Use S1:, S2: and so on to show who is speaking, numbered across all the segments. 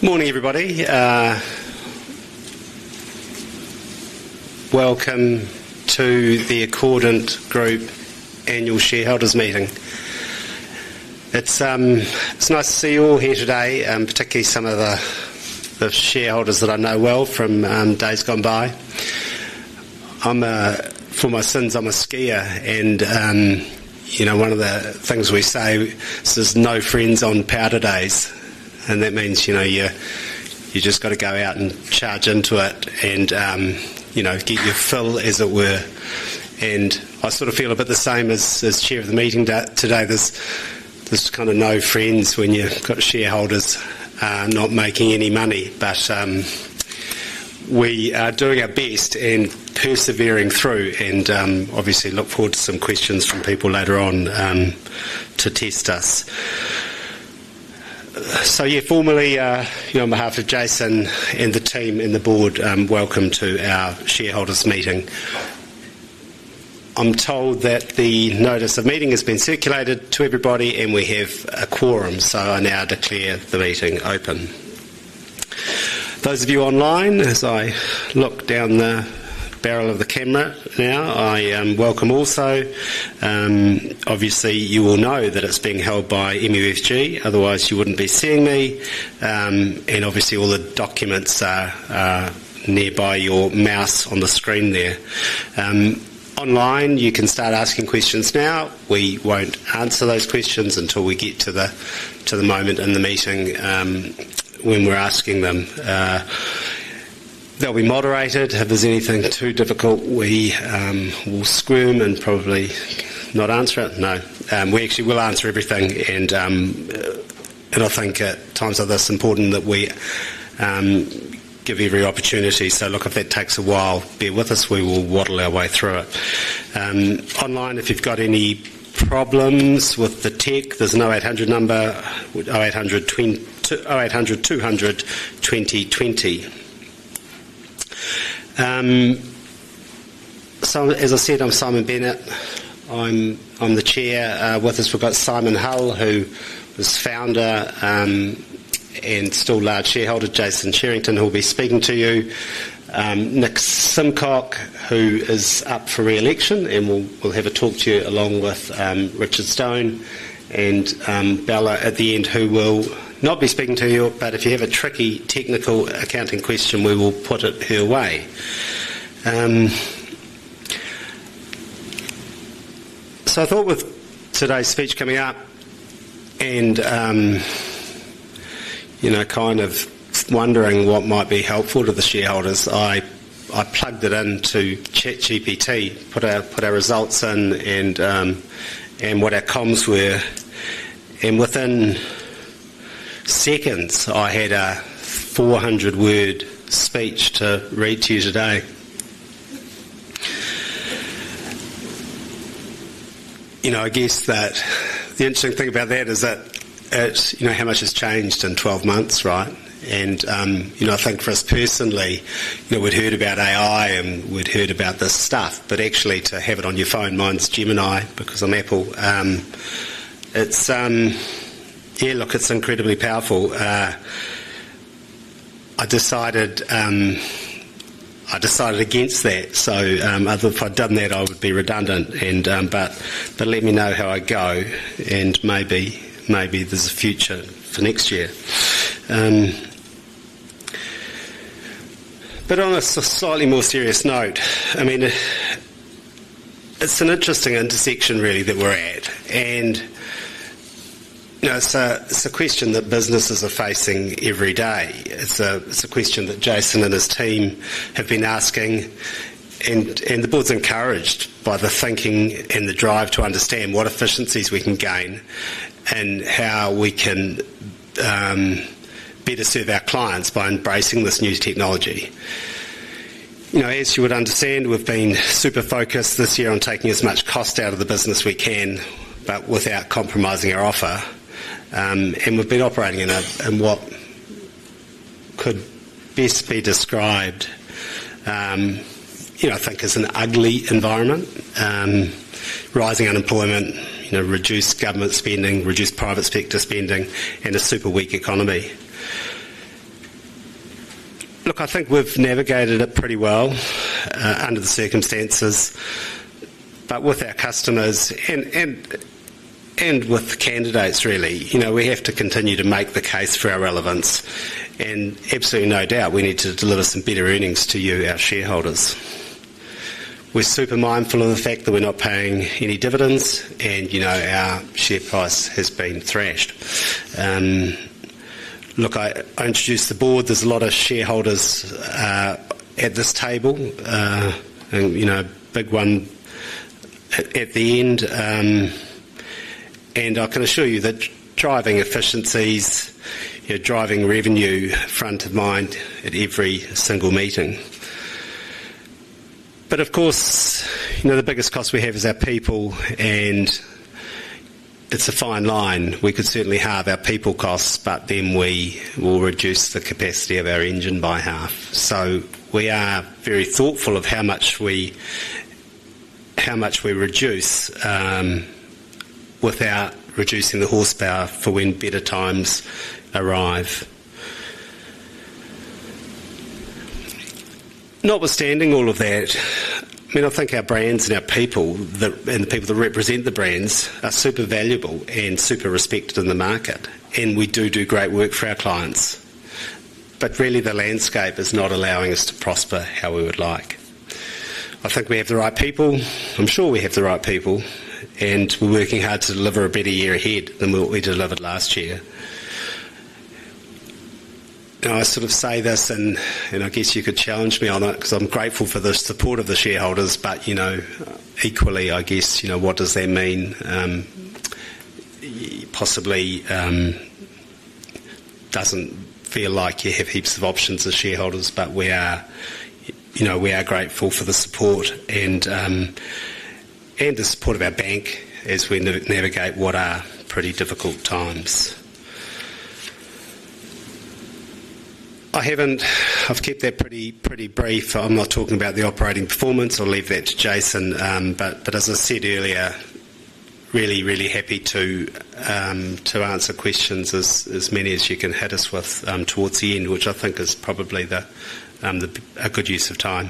S1: Morning, everybody. Welcome to the Accordant Group Annual Shareholders' Meeting. It's nice to see you all here today, particularly some of the shareholders that I know well from days gone by. For my sins, I'm a skier and, you know, one of the things we say is, "There's no friends on powder days." That means you just have to go out and charge into it and get your fill, as it were. I sort of feel a bit the same as Chair of the meeting today. There's kind of no friends when you've got shareholders not making any money. We are doing our best and persevering through and obviously look forward to some questions from people later on to test us. Formally, on behalf of Jason and the team and the Board, welcome to our shareholders' meeting. I'm told that the notice of meeting has been circulated to everybody and we have a quorum, so I now declare the meeting open. Those of you online, as I look down the barrel of the camera now, I welcome also. Obviously, you all know that it's being held by MUFG. Otherwise, you wouldn't be seeing me. All the documents are nearby your mouse on the screen there. Online, you can start asking questions now. We won't answer those questions until we get to the moment in the meeting when we're asking them. They'll be moderated. If there's anything too difficult, we will scream and probably not answer it. No. We actually will answer everything. I think at times like this, it's important that we give every opportunity. If it takes a while, bear with us. We will waddle our way through it. Online, if you've got any problems with the tech, there's an 0800 number, 0800-200-2020. As I said, I'm Simon Bennett. I'm the Chair. With us, we've got Simon Hull, who was founder and still a large shareholder, Jason Cherrington, who will be speaking to you, Nick Simcock, who is up for re-election and will have a talk to you along with Richard Stone, and Bella at the end, who will not be speaking to you, but if you have a tricky technical accounting question, we will put it her way. I thought with today's speech coming up and kind of wondering what might be helpful to the shareholders, I plugged it into ChatGPT, put our results in and what our comms were. Within seconds, I had a 400-word speech to read to you today. I guess the interesting thing about that is how much has changed in 12 months, right? You know, I think for us personally, we'd heard about AI and we'd heard about this stuff, but actually to have it on your phone, mine's Gemini because I'm Apple. Yeah, look, it's incredibly powerful. I decided against that. If I'd done that, I would be redundant. Let me know how I go and maybe there's a future for next year. On a slightly more serious note, it's an interesting intersection really that we're at. It's a question that businesses are facing every day. It's a question that Jason and his team have been asking. The board's encouraged by the thinking and the drive to understand what efficiencies we can gain and how we can better serve our clients by embracing this new technology. As you would understand, we've been super focused this year on taking as much cost out of the business as we can, but without compromising our offer. We've been operating in what could best be described, I think, as an ugly environment: rising unemployment, reduced government spending, reduced private sector spending, and a super weak economy. I think we've navigated it pretty well under the circumstances. With our customers and with candidates, really, we have to continue to make the case for our relevance. Absolutely no doubt, we need to deliver some better earnings to you, our shareholders. We're super mindful of the fact that we're not paying any dividends and our share price has been thrashed. I introduced the board. There's a lot of shareholders at this table and a big one at the end. I can assure you that driving efficiencies, driving revenue, is front of mind at every single meeting. Of course, the biggest cost we have is our people. It's a fine line. We could certainly halve our people costs, but then we will reduce the capacity of our engine by half. We are very thoughtful of how much we reduce without reducing the horsepower for when better times arrive. Notwithstanding all of that, I think our brands and our people and the people that represent the brands are super valuable and super respected in the market. We do great work for our clients. Really, the landscape is not allowing us to prosper how we would like. I think we have the right people. I'm sure we have the right people. We're working hard to deliver a better year ahead than what we delivered last year. I sort of say this, and I guess you could challenge me on it because I'm grateful for the support of the shareholders, but, you know, equally, I guess, you know, what does that mean? Possibly doesn't feel like you have heaps of options as shareholders, but we are, you know, we are grateful for the support and the support of our bank as we navigate what are pretty difficult times. I haven't, I've kept that pretty, pretty brief. I'm not talking about the operating performance. I'll leave that to Jason. As I said earlier, really, really happy to answer questions, as many as you can hit us with towards the end, which I think is probably a good use of time.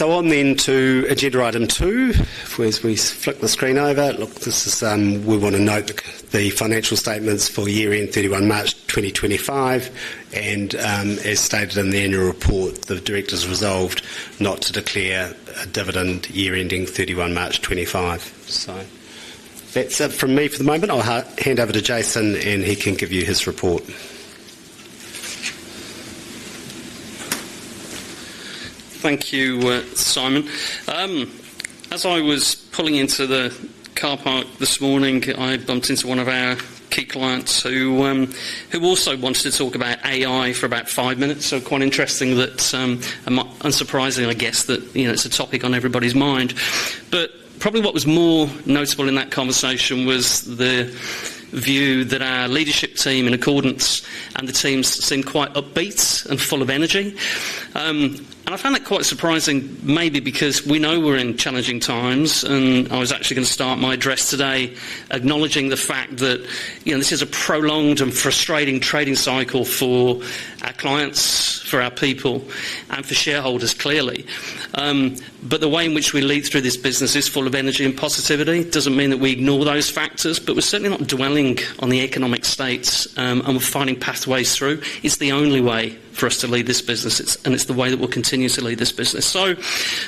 S1: On then to agenda item two, as we flick the screen over. Look, we want to note the financial statements for year-end 31 March 2025. As stated in the annual report, the directors resolved not to declare a dividend year ending 31 March 2025. That's it from me for the moment. I'll hand over to Jason, and he can give you his report.
S2: Thank you, Simon. As I was pulling into the car park this morning, I bumped into one of our key clients who also wants to talk about AI for about five minutes. Quite interesting that, unsurprising, I guess, that it's a topic on everybody's mind. Probably what was more notable in that conversation was the view that our leadership team in Accordant and the teams seem quite upbeat and full of energy. I found that quite surprising, maybe because we know we're in challenging times. I was actually going to start my address today acknowledging the fact that this is a prolonged and frustrating trading cycle for our clients, for our people, and for shareholders, clearly. The way in which we lead through this business is full of energy and positivity. It doesn't mean that we ignore those factors, but we're certainly not dwelling on the economic states and we're finding pathways through. It's the only way for us to lead this business, and it's the way that we'll continue to lead this business.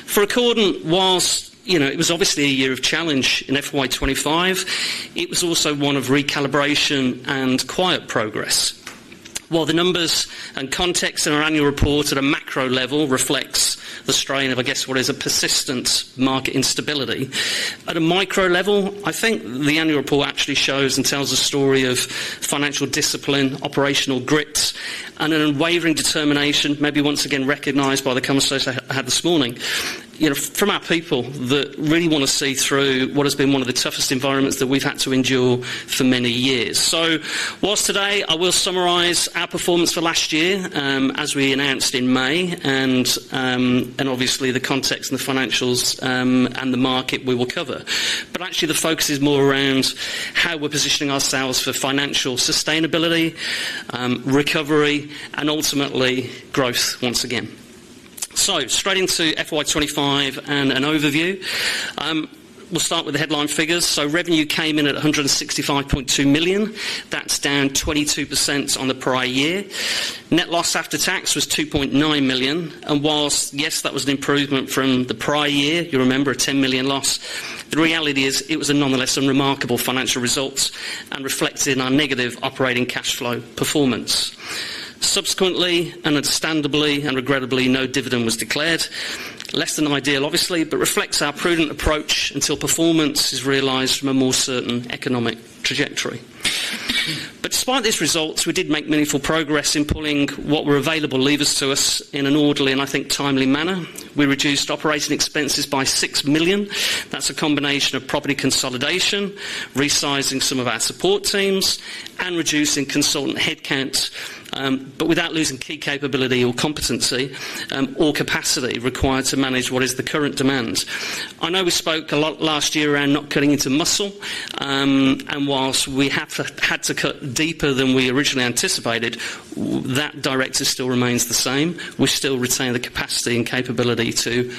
S2: For Accordant, whilst it was obviously a year of challenge in FY 2025, it was also one of recalibration and quiet progress. While the numbers and context in our annual report at a macro level reflect the strain of what is a persistent market instability, at a micro level, I think the annual report actually shows and tells a story of financial discipline, operational grit, and an unwavering determination, maybe once again recognized by the conversation I had this morning from our people that really want to see through what has been one of the toughest environments that we've had to endure for many years. Whilst today, I will summarize our performance for last year as we announced in May, and obviously the context and the financials and the market we will cover, the focus is more around how we're positioning ourselves for financial sustainability, recovery, and ultimately growth once again. Straight into FY 2025 and an overview. We'll start with the headline figures. Revenue came in at $165.2 million. That's down 22% on the prior year. Net loss after tax was $2.9 million. Whilst, yes, that was an improvement from the prior year, you remember a $10 million loss, the reality is it was a nonetheless unremarkable financial result and reflected in our negative operating cash flow performance. Subsequently, and understandably and regrettably, no dividend was declared. Less than ideal, obviously, but reflects our prudent approach until performance is realized from a more certain economic trajectory. Despite these results, we did make meaningful progress in pulling what were available levers to us in an orderly and, I think, timely manner. We reduced operating expenses by $6 million. That's a combination of property consolidation, resizing some of our support teams, and reducing consultant headcount, but without losing key capability or competency or capacity required to manage what is the current demand. I know we spoke a lot last year around not cutting into muscle. Whilst we have had to cut deeper than we originally anticipated, that directive still remains the same. We still retain the capacity and capability to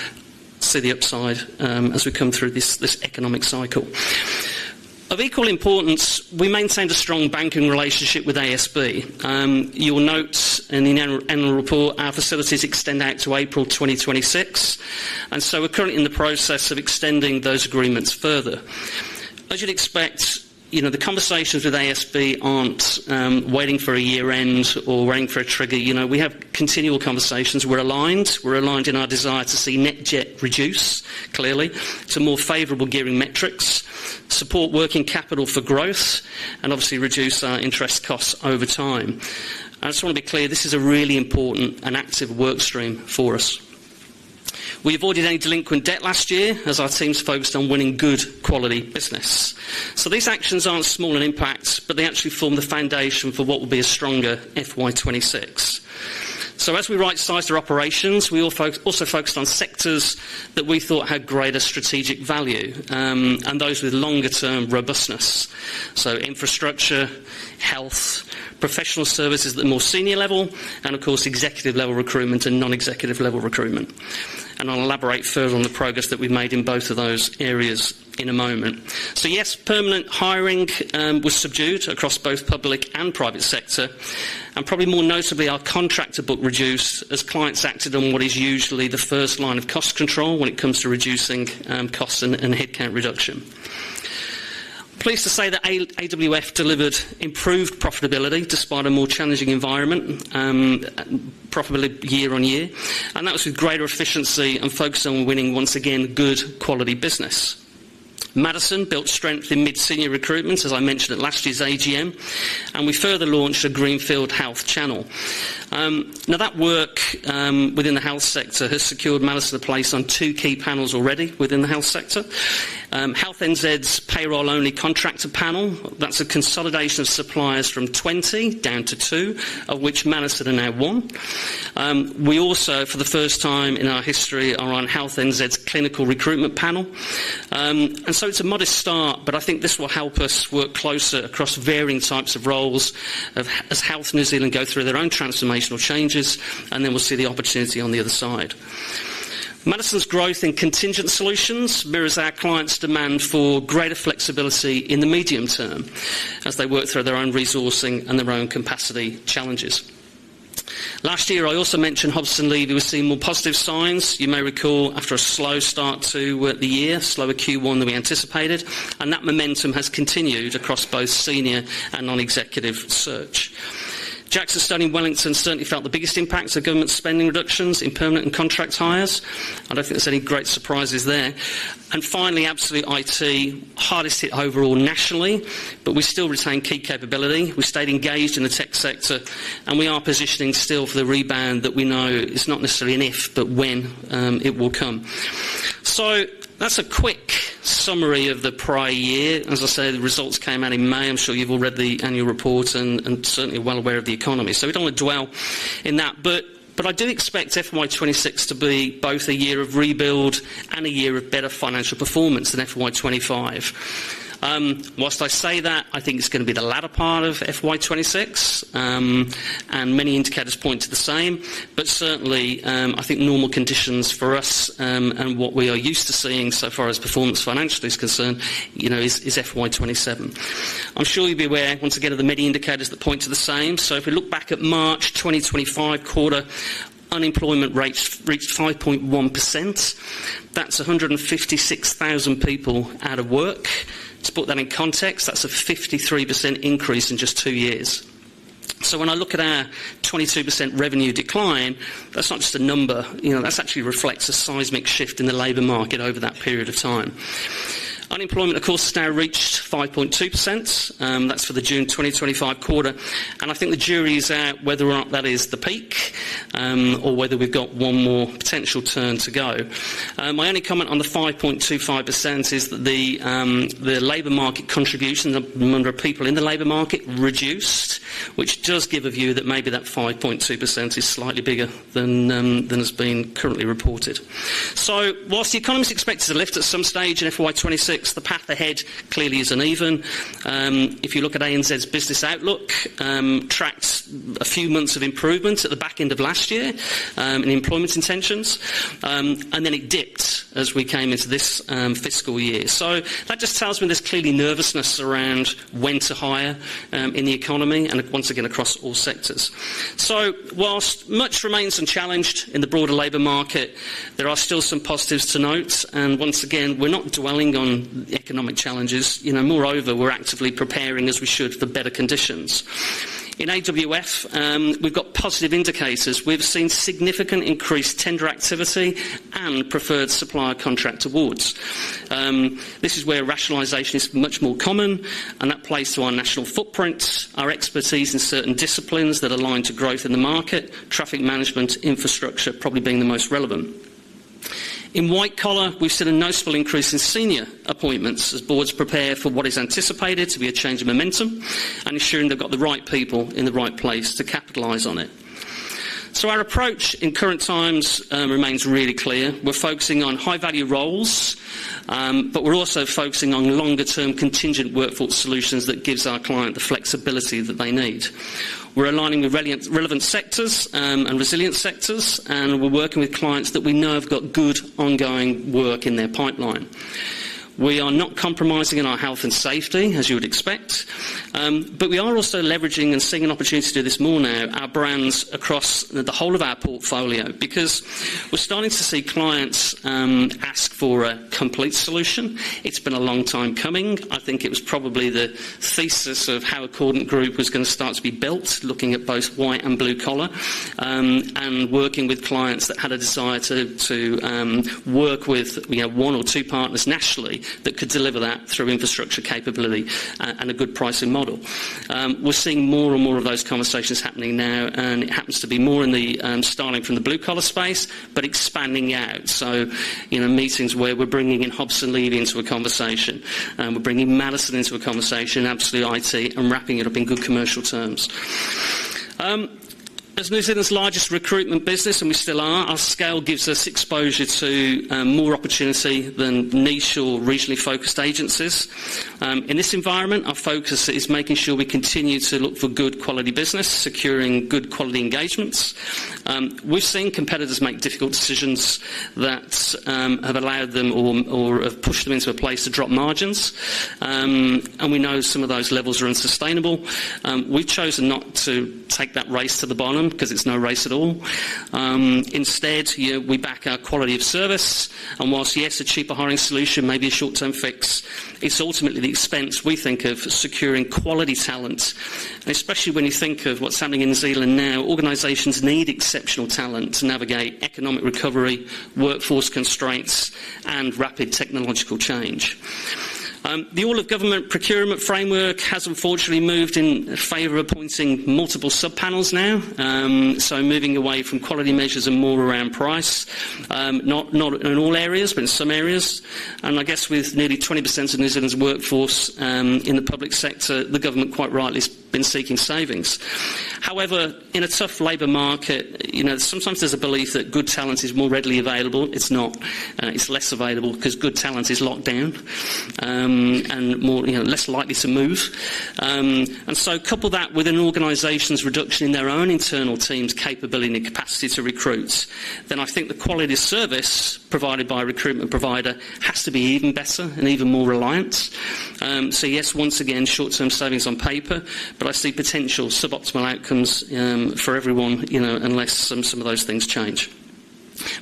S2: see the upside as we come through this economic cycle. Of equal importance, we maintained a strong banking relationship with ASB. You'll note in the annual report, our facilities extend out to April 2026, and we're currently in the process of extending those agreements further. As you'd expect, the conversations with ASB aren't waiting for a year-end or waiting for a trigger. We have continual conversations. We're aligned. We're aligned in our desire to see net debt reduce, clearly, to more favorable gearing metrics, support working capital for growth, and obviously reduce our interest costs over time. I just want to be clear, this is a really important and active work stream for us. We avoided any delinquent debt last year as our teams focused on winning good quality business. These actions aren't small in impact, but they actually form the foundation for what will be a stronger FY 2026. As we right-sized our operations, we also focused on sectors that we thought had greater strategic value and those with longer-term robustness: infrastructure, health, professional services at the more senior level, and, of course, executive-level recruitment and non-executive-level recruitment. I'll elaborate further on the progress that we've made in both of those areas in a moment. Permanent hiring was subdued across both public and private sector, and probably more notably, our contractor book reduced as clients acted on what is usually the first line of cost control when it comes to reducing costs and headcount reduction. Pleased to say that AWF delivered improved profitability despite a more challenging environment, profitability year on year. That was with greater efficiency and focus on winning, once again, good quality business. Madison built strength in mid-senior recruitments, as I mentioned at last year's AGM. We further launched a greenfield health channel. That work within the health sector has secured Madison a place on two key panels already within the health sector. Health NZ's payroll-only contractor panel, that's a consolidation of suppliers from 20 down to 2, of which Madison are now 1. We also, for the first time in our history, are on Health NZ's clinical recruitment panel. It is a modest start, but I think this will help us work closer across varying types of roles as Health New Zealand go through their own transformational changes, and we will see the opportunity on the other side. Madison's growth in contingent solutions mirrors our clients' demand for greater flexibility in the medium term as they work through their own resourcing and their own capacity challenges. Last year, I also mentioned Hobson Leavy was seeing more positive signs. You may recall after a slow start to the year, slower Q1 than we anticipated. That momentum has continued across both senior and non-executive search. JacksonStone in Wellington certainly felt the biggest impacts of government spending reductions in permanent and contract hires. I don't think there's any great surprises there. Finally, Absolute IT hardest hit overall nationally, but we still retain key capability. We stayed engaged in the tech sector, and we are positioning still for the rebound that we know is not necessarily an if, but when it will come. That's a quick summary of the prior year. As I said, the results came out in May. I'm sure you've all read the annual report and certainly are well aware of the economy. We don't want to dwell in that. I do expect FY 2026 to be both a year of rebuild and a year of better financial performance than FY 2025. Whilst I say that, I think it's going to be the latter part of FY 2026, and many indicators point to the same. Certainly, I think normal conditions for us and what we are used to seeing so far as performance financially is concerned, you know, is FY 2027. I'm sure you'd be aware, once again, of the many indicators that point to the same. If we look back at March 2025 quarter, unemployment rates reached 5.1%. That's 156,000 people out of work. To put that in context, that's a 53% increase in just two years. When I look at our 22% revenue decline, that's not just a number. That actually reflects a seismic shift in the labor market over that period of time. Unemployment, of course, now reached 5.2%. That's for the June 2025 quarter. I think the jury is out whether or not that is the peak or whether we've got one more potential turn to go. My only comment on the 5.2% is that the labor market contribution number of people in the labor market reduced, which does give a view that maybe that 5.2% is slightly bigger than has been currently reported. Whilst the economy is expected to lift at some stage in FY 2026, the path ahead clearly isn't even. If you look at ANZ's business outlook, it tracks a few months of improvements at the back end of last year in employment intentions, and then it dipped as we came into this fiscal year. That just tells me there's clearly nervousness around when to hire in the economy and once again across all sectors. Whilst much remains unchallenged in the broader labor market, there are still some positives to note. Once again, we're not dwelling on the economic challenges. Moreover, we're actively preparing, as we should, for better conditions. In AWF, we've got positive indicators. We've seen significant increased tender activity and preferred supplier contract awards. This is where rationalization is much more common, and that plays to our national footprint, our expertise in certain disciplines that align to growth in the market, traffic management, infrastructure probably being the most relevant. In white collar, we've seen a noticeable increase in senior appointments as boards prepare for what is anticipated to be a change in momentum and ensuring they've got the right people in the right place to capitalize on it. Our approach in current times remains really clear. We're focusing on high-value roles, but we're also focusing on longer-term contingent workforce solutions that give our client the flexibility that they need. We're aligning with relevant sectors and resilient sectors, and we're working with clients that we know have got good ongoing work in their pipeline. We are not compromising on our health and safety, as you would expect, but we are also leveraging and seeing an opportunity to do this more now, our brands across the whole of our portfolio because we're starting to see clients ask for a complete solution. It's been a long time coming. I think it was probably the thesis of how Accordant Group was going to start to be built, looking at both white and blue collar, and working with clients that had a desire to work with one or two partners nationally that could deliver that through infrastructure capability and a good pricing model. We're seeing more and more of those conversations happening now, and it happens to be more in the starting from the blue collar space, but expanding out. You know, meetings where we're bringing in Hobson Leavy into a conversation. We're bringing Madison into a conversation, Absolute IT, and wrapping it up in good commercial terms. As New Zealand's largest recruitment business, and we still are, our scale gives us exposure to more opportunity than niche or regionally focused agencies. In this environment, our focus is making sure we continue to look for good quality business, securing good quality engagements. We've seen competitors make difficult decisions that have allowed them or have pushed them into a place to drop margins. We know some of those levels are unsustainable. We've chosen not to take that race to the bottom because it's no race at all. Instead, we back our quality of service. Whilst, yes, a cheaper hiring solution may be a short-term fix, it's ultimately the expense we think of securing quality talent. Especially when you think of what's happening in New Zealand now, organizations need exceptional talent to navigate economic recovery, workforce constraints, and rapid technological change. The all-of-government procurement framework has unfortunately moved in favor of appointing multiple subpanels now, moving away from quality measures and more around price, not in all areas, but in some areas. I guess with nearly 20% of New Zealand's workforce in the public sector, the government quite rightly has been seeking savings. However, in a tough labor market, sometimes there's a belief that good talent is more readily available. It's not. It's less available because good talent is locked down and more, you know, less likely to move. Couple that with an organization's reduction in their own internal team's capability and the capacity to recruit, then I think the quality of service provided by a recruitment provider has to be even better and even more reliant. Yes, once again, short-term savings on paper, but I see potential suboptimal outcomes for everyone, unless some of those things change.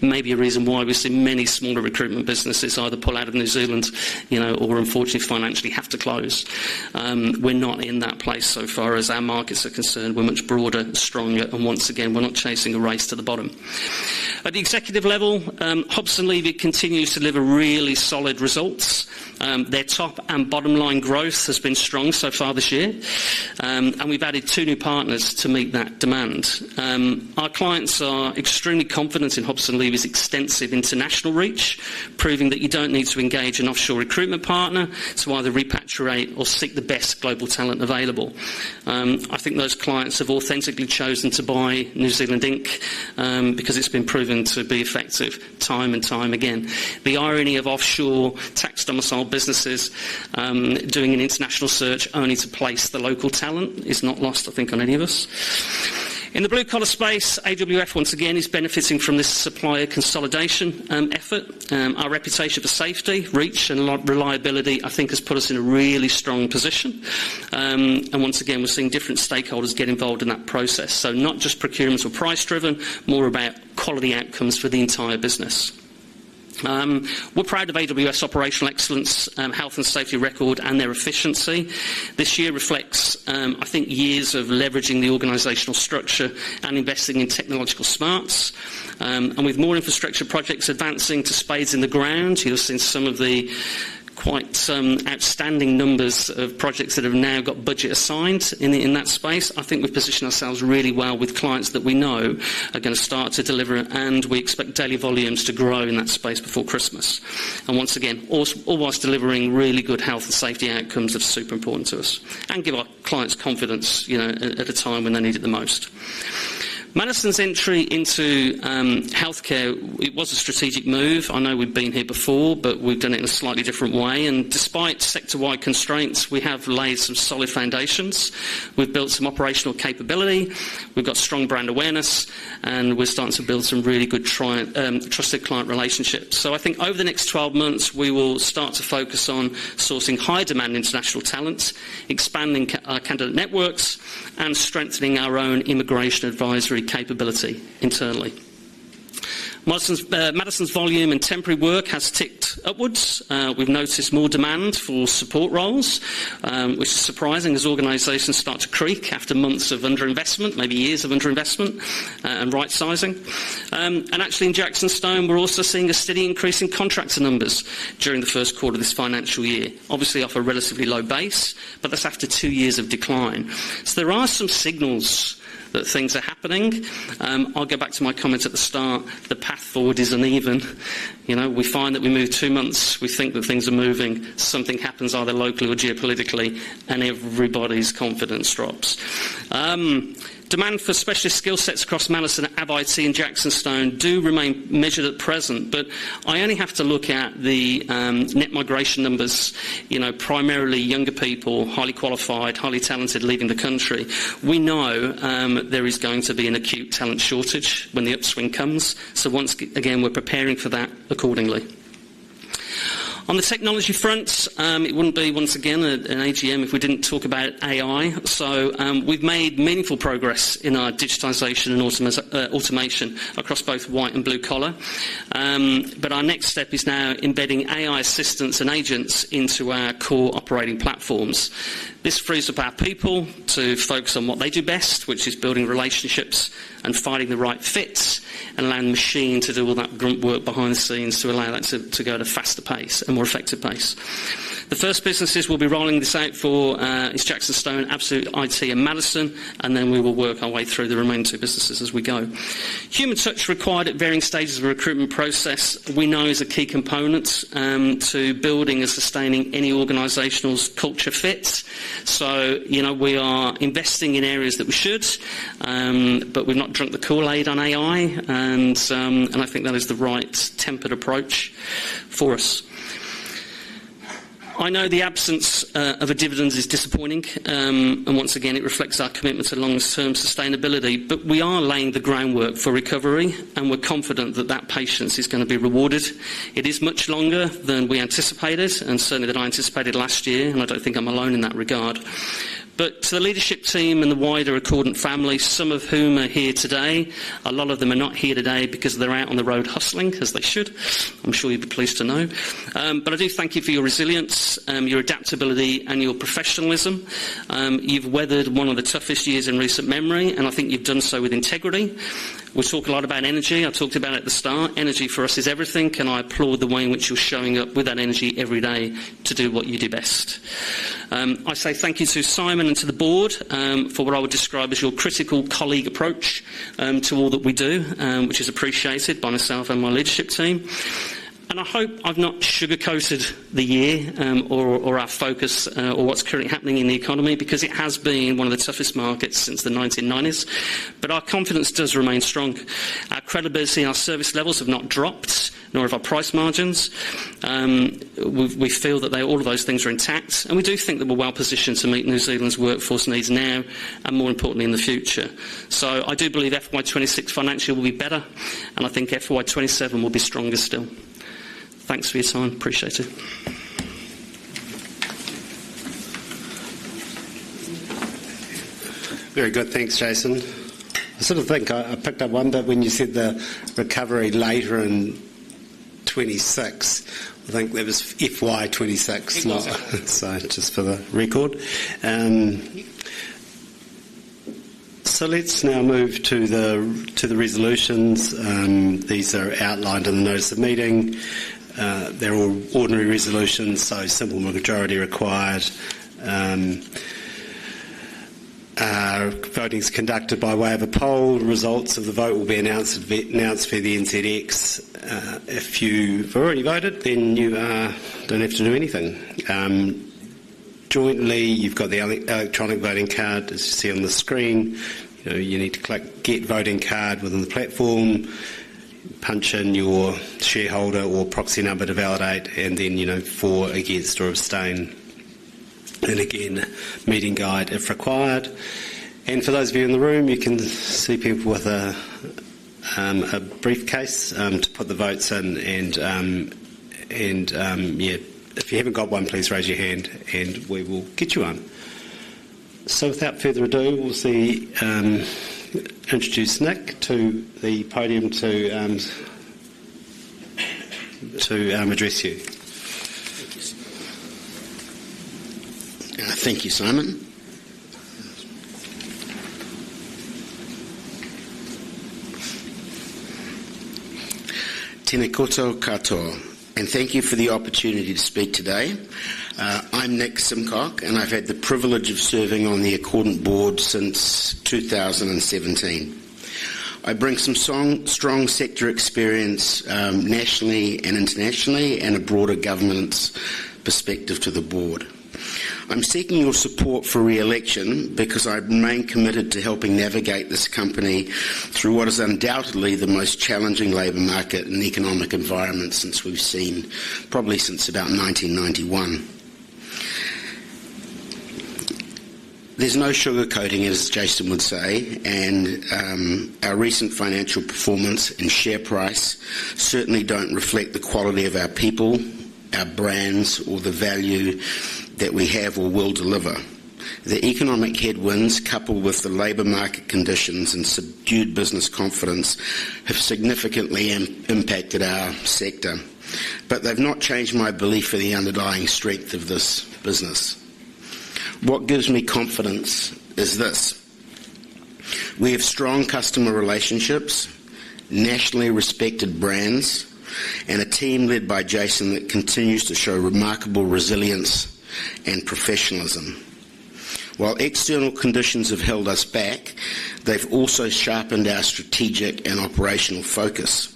S2: Maybe a reason why we've seen many smaller recruitment businesses either pull out of New Zealand, you know, or unfortunately financially have to close. We're not in that place so far as our markets are concerned. We're much broader, stronger, and once again, we're not chasing a race to the bottom. At the executive level, Hobson Leavy continues to deliver really solid results. Their top and bottom line growth has been strong so far this year, and we've added two new partners to meet that demand. Our clients are extremely confident in Hobson Leavy's extensive international reach, proving that you don't need to engage an offshore recruitment partner to either repatriate or seek the best global talent available. I think those clients have authentically chosen to buy New Zealand Inc. because it's been proven to be effective time and time again. The irony of offshore tax domiciled businesses doing an international search only to place the local talent is not lost, I think, on any of us. In the blue collar space, AWF once again is benefiting from this supplier consolidation effort. Our reputation for safety, reach, and reliability, I think, has put us in a really strong position. Once again, we're seeing different stakeholders get involved in that process, so not just procurements or price-driven, more about quality outcomes for the entire business. We're proud of AWF's operational excellence, health and safety record, and their efficiency. This year reflects, I think, years of leveraging the organizational structure and investing in technological smarts. With more infrastructure projects advancing to spades in the ground, you'll see some of the quite outstanding numbers of projects that have now got budget assigned in that space. I think we've positioned ourselves really well with clients that we know are going to start to deliver, and we expect daily volumes to grow in that space before Christmas. All whilst delivering really good health and safety outcomes are super important to us and give our clients confidence, you know, at a time when they need it the most. Madison's entry into healthcare, it was a strategic move. I know we've been here before, but we've done it in a slightly different way. Despite sector-wide constraints, we have laid some solid foundations. We've built some operational capability. We've got strong brand awareness, and we're starting to build some really good trusted client relationships. I think over the next 12 months, we will start to focus on sourcing high-demand international talent, expanding our candidate networks, and strengthening our own immigration advisory capability internally. Madison's volume and temporary work has ticked upwards. We've noticed more demand for support roles, which is surprising as organizations start to creak after months of underinvestment, maybe years of underinvestment and right-sizing. In JacksonStone, we're also seeing a steady increase in contractor numbers during the first quarter of this financial year. Obviously, off a relatively low base, but that's after two years of decline. There are some signals that things are happening. I'll go back to my comments at the start. The path forward is uneven. We find that we move two months. We think that things are moving. Something happens either locally or geopolitically, and everybody's confidence drops. Demand for specialist skill sets across Madison, Absolute IT, and JacksonStone do remain measured at present, but I only have to look at the net migration numbers, primarily younger people, highly qualified, highly talented leaving the country. We know there is going to be an acute talent shortage when the upswing comes. Once again, we're preparing for that accordingly. On the technology front, it wouldn't be once again an AGM if we didn't talk about AI. We've made meaningful progress in our digitization and automation across both white and blue collar. Our next step is now embedding AI assistants and agents into our core operating platforms. This frees up our people to focus on what they do best, which is building relationships and finding the right fits, and allowing the machine to do all that work behind the scenes to allow that to go at a faster pace and more effective pace. The first businesses we'll be rolling this out for are JacksonStone, Absolute IT, and Madison. We will work our way through the remaining two businesses as we go. Human touch required at varying stages of the recruitment process, we know, is a key component to building and sustaining any organizational culture fit. We are investing in areas that we should, but we've not drunk the Kool-Aid on AI. I think that is the right tempered approach for us. I know the absence of a dividend is disappointing. Once again, it reflects our commitment to longer-term sustainability. We are laying the groundwork for recovery, and we're confident that patience is going to be rewarded. It is much longer than we anticipated and certainly than I anticipated last year. I don't think I'm alone in that regard. To the leadership team and the wider Accordant family, some of whom are here today, a lot of them are not here today because they're out on the road hustling as they should. I'm sure you'd be pleased to know. I do thank you for your resilience, your adaptability, and your professionalism. You've weathered one of the toughest years in recent memory, and I think you've done so with integrity. We talk a lot about energy. I talked about it at the start. Energy for us is everything. I applaud the way in which you're showing up with that energy every day to do what you do best. I say thank you to Simon and to the board for what I would describe as your critical colleague approach to all that we do, which is appreciated by myself and my leadership team. I hope I've not sugarcoated the year or our focus or what's currently happening in the economy because it has been one of the toughest markets since the 1990s. Our confidence does remain strong. Our credibility, our service levels have not dropped, nor have our price margins. We feel that all of those things are intact. We do think that we're well positioned to meet New Zealand's workforce needs now and more importantly in the future. I do believe FY 2026 financial will be better, and I think FY 2027 will be stronger still. Thanks for your time. Appreciate it.
S1: Very good. Thanks, Jason. I sort of think I picked up one bit when you said the recovery later in 2026. I think it was FY 2026, not so just for the record. Let's now move to the resolutions. These are outlined in the notice of meeting. They're all ordinary resolutions, so simple majority required. Voting is conducted by way of a poll. The results of the vote will be announced via the NZX. If you've already voted, then you don't have to do anything. Jointly, you've got the electronic voting card, as you see on the screen. You need to click Get Voting Card within the platform, punch in your shareholder or proxy number to validate, and then, you know, for, against, or abstain. Again, meeting guide if required. For those of you in the room, you can see people with a briefcase to put the votes in. If you haven't got one, please raise your hand and we will get you on. Without further ado, we'll introduce Nick to the podium to address you.
S3: Thank you, Simon. Thank you, Simon. Tēnā koutou katoa, and thank you for the opportunity to speak today. I'm Nick Simcock, and I've had the privilege of serving on the Accordant Board since 2017. I bring some strong sector experience nationally and internationally and a broader government perspective to the Board. I'm seeking your support for re-election because I remain committed to helping navigate this company through what is undoubtedly the most challenging labor market and economic environment we've seen, probably since about 1991. There's no sugarcoating, as Jason would say, and our recent financial performance and share price certainly don't reflect the quality of our people, our brands, or the value that we have or will deliver. The economic headwinds, coupled with the labor market conditions and subdued business confidence, have significantly impacted our sector, but they've not changed my belief in the underlying strength of this business. What gives me confidence is this: we have strong customer relationships, nationally respected brands, and a team led by Jason that continues to show remarkable resilience and professionalism. While external conditions have held us back, they've also sharpened our strategic and operational focus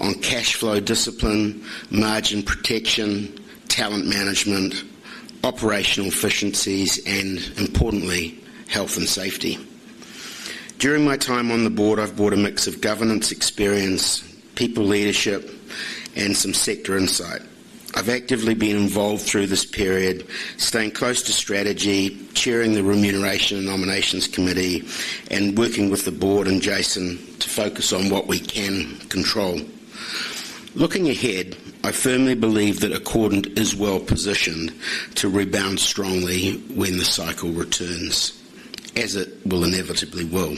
S3: on cash flow discipline, margin protection, talent management, operational efficiencies, and importantly, health and safety. During my time on the Board, I've brought a mix of governance experience, people leadership, and some sector insight. I've actively been involved through this period, staying close to strategy, chairing the Remuneration and Nominations Committee, and working with the Board and Jason to focus on what we can control. Looking ahead, I firmly believe that Accordant is well positioned to rebound strongly when the cycle returns, as it inevitably will.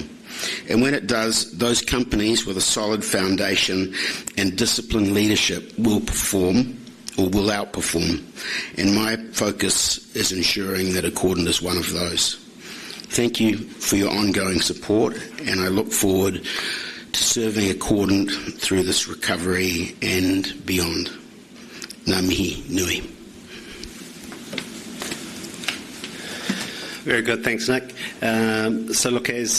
S3: When it does, those companies with a solid foundation and disciplined leadership will perform or will outperform. My focus is ensuring that Accordant is one of those. Thank you for your ongoing support, and I look forward to serving Accordant through this recovery and beyond. Ngā mihi nui.
S1: Very good. Thanks, Nick. As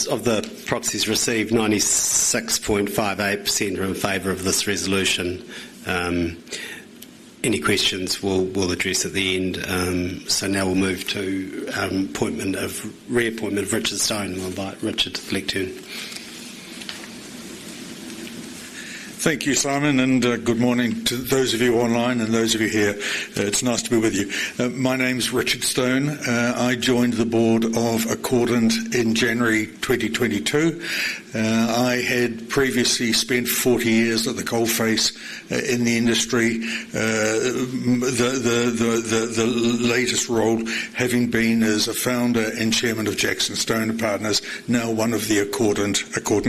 S1: of the proxies received, 96.58% are in favor of this resolution. Any questions, we'll address at the end. Now we'll move to reappointment of Richard Stone by Richard. [unintelligible]
S4: Thank you, Simon, and good morning to those of you online and those of you here. It's nice to be with you. My name is Richard Stone. I joined the board of Accordant in January 2022. I had previously spent 40 years at the coalface in the industry, the latest role having been as a founder and Chairman of JacksonStone & Partners, now one of the Accordant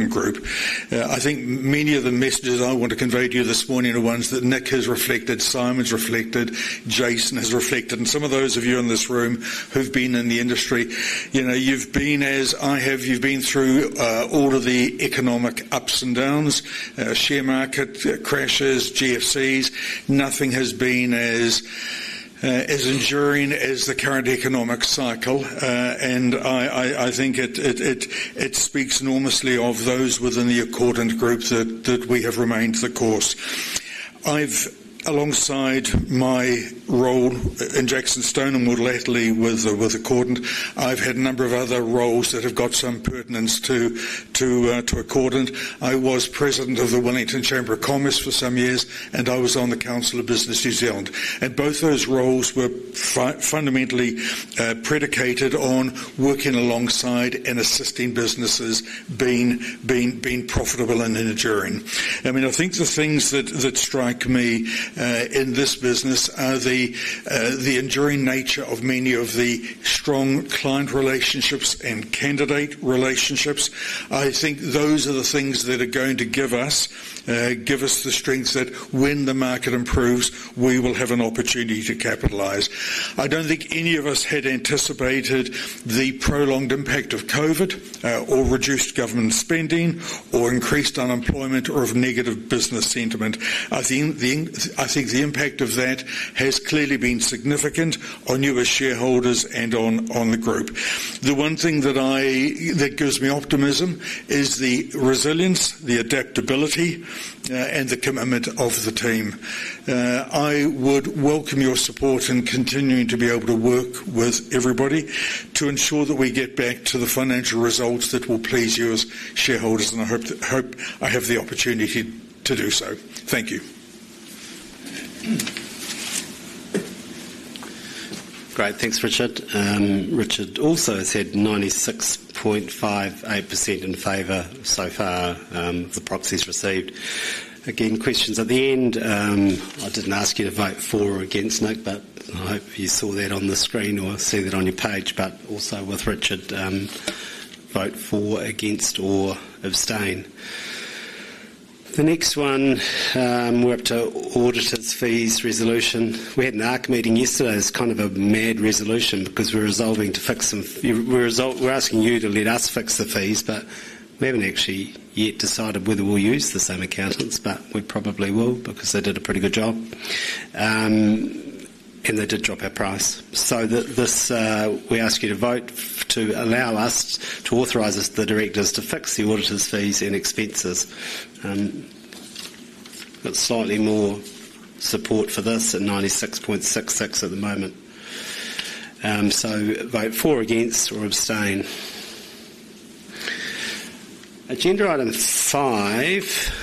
S4: Group. I think many of the messages I want to convey to you this morning are ones that Nick has reflected, Simon's reflected, Jason has reflected, and some of those of you in this room who've been in the industry. You know, you've been, as I have, you've been through all of the economic ups and downs, share market crashes, GFCs. Nothing has been as enduring as the current economic cycle. I think it speaks enormously of those within the Accordant Group that we have remained the course. Alongside my role in JacksonStone and more lately with Accordant, I've had a number of other roles that have got some pertinence to Accordant. I was President of the Wellington Chamber of Commerce for some years, and I was on the Council of Business New Zealand. Both those roles were fundamentally predicated on working alongside and assisting businesses being profitable and enduring. I think the things that strike me in this business are the enduring nature of many of the strong client relationships and candidate relationships. I think those are the things that are going to give us the strength that when the market improves, we will have an opportunity to capitalize. I don't think any of us had anticipated the prolonged impact of COVID or reduced government spending or increased unemployment or of negative business sentiment. I think the impact of that has clearly been significant on you as shareholders and on the group. The one thing that gives me optimism is the resilience, the adaptability, and the commitment of the team. I would welcome your support in continuing to be able to work with everybody to ensure that we get back to the financial results that will please you as shareholders, and I hope I have the opportunity to do so. Thank you.
S1: Great. Thanks, Richard. Richard also said 96.58% in favor so far of the proxies received. Again, questions at the end. I didn't ask you to vote for or against Nick, but I hope you saw that on the screen or see that on your page. Also with Richard, vote for, against, or abstain. The next one, we're up to auditors' fees resolution. We had an ARC meeting yesterday. It's kind of a mad resolution because we're resolving to fix them. We're asking you to let us fix the fees, but we haven't actually yet decided whether we'll use the same accountants, but we probably will because they did a pretty good job. They did drop our price. We ask you to vote to allow us to authorize the directors to fix the auditors' fees and expenses. Slightly more support for this at 96.66% at the moment. Vote for, against, or abstain. Agenda item five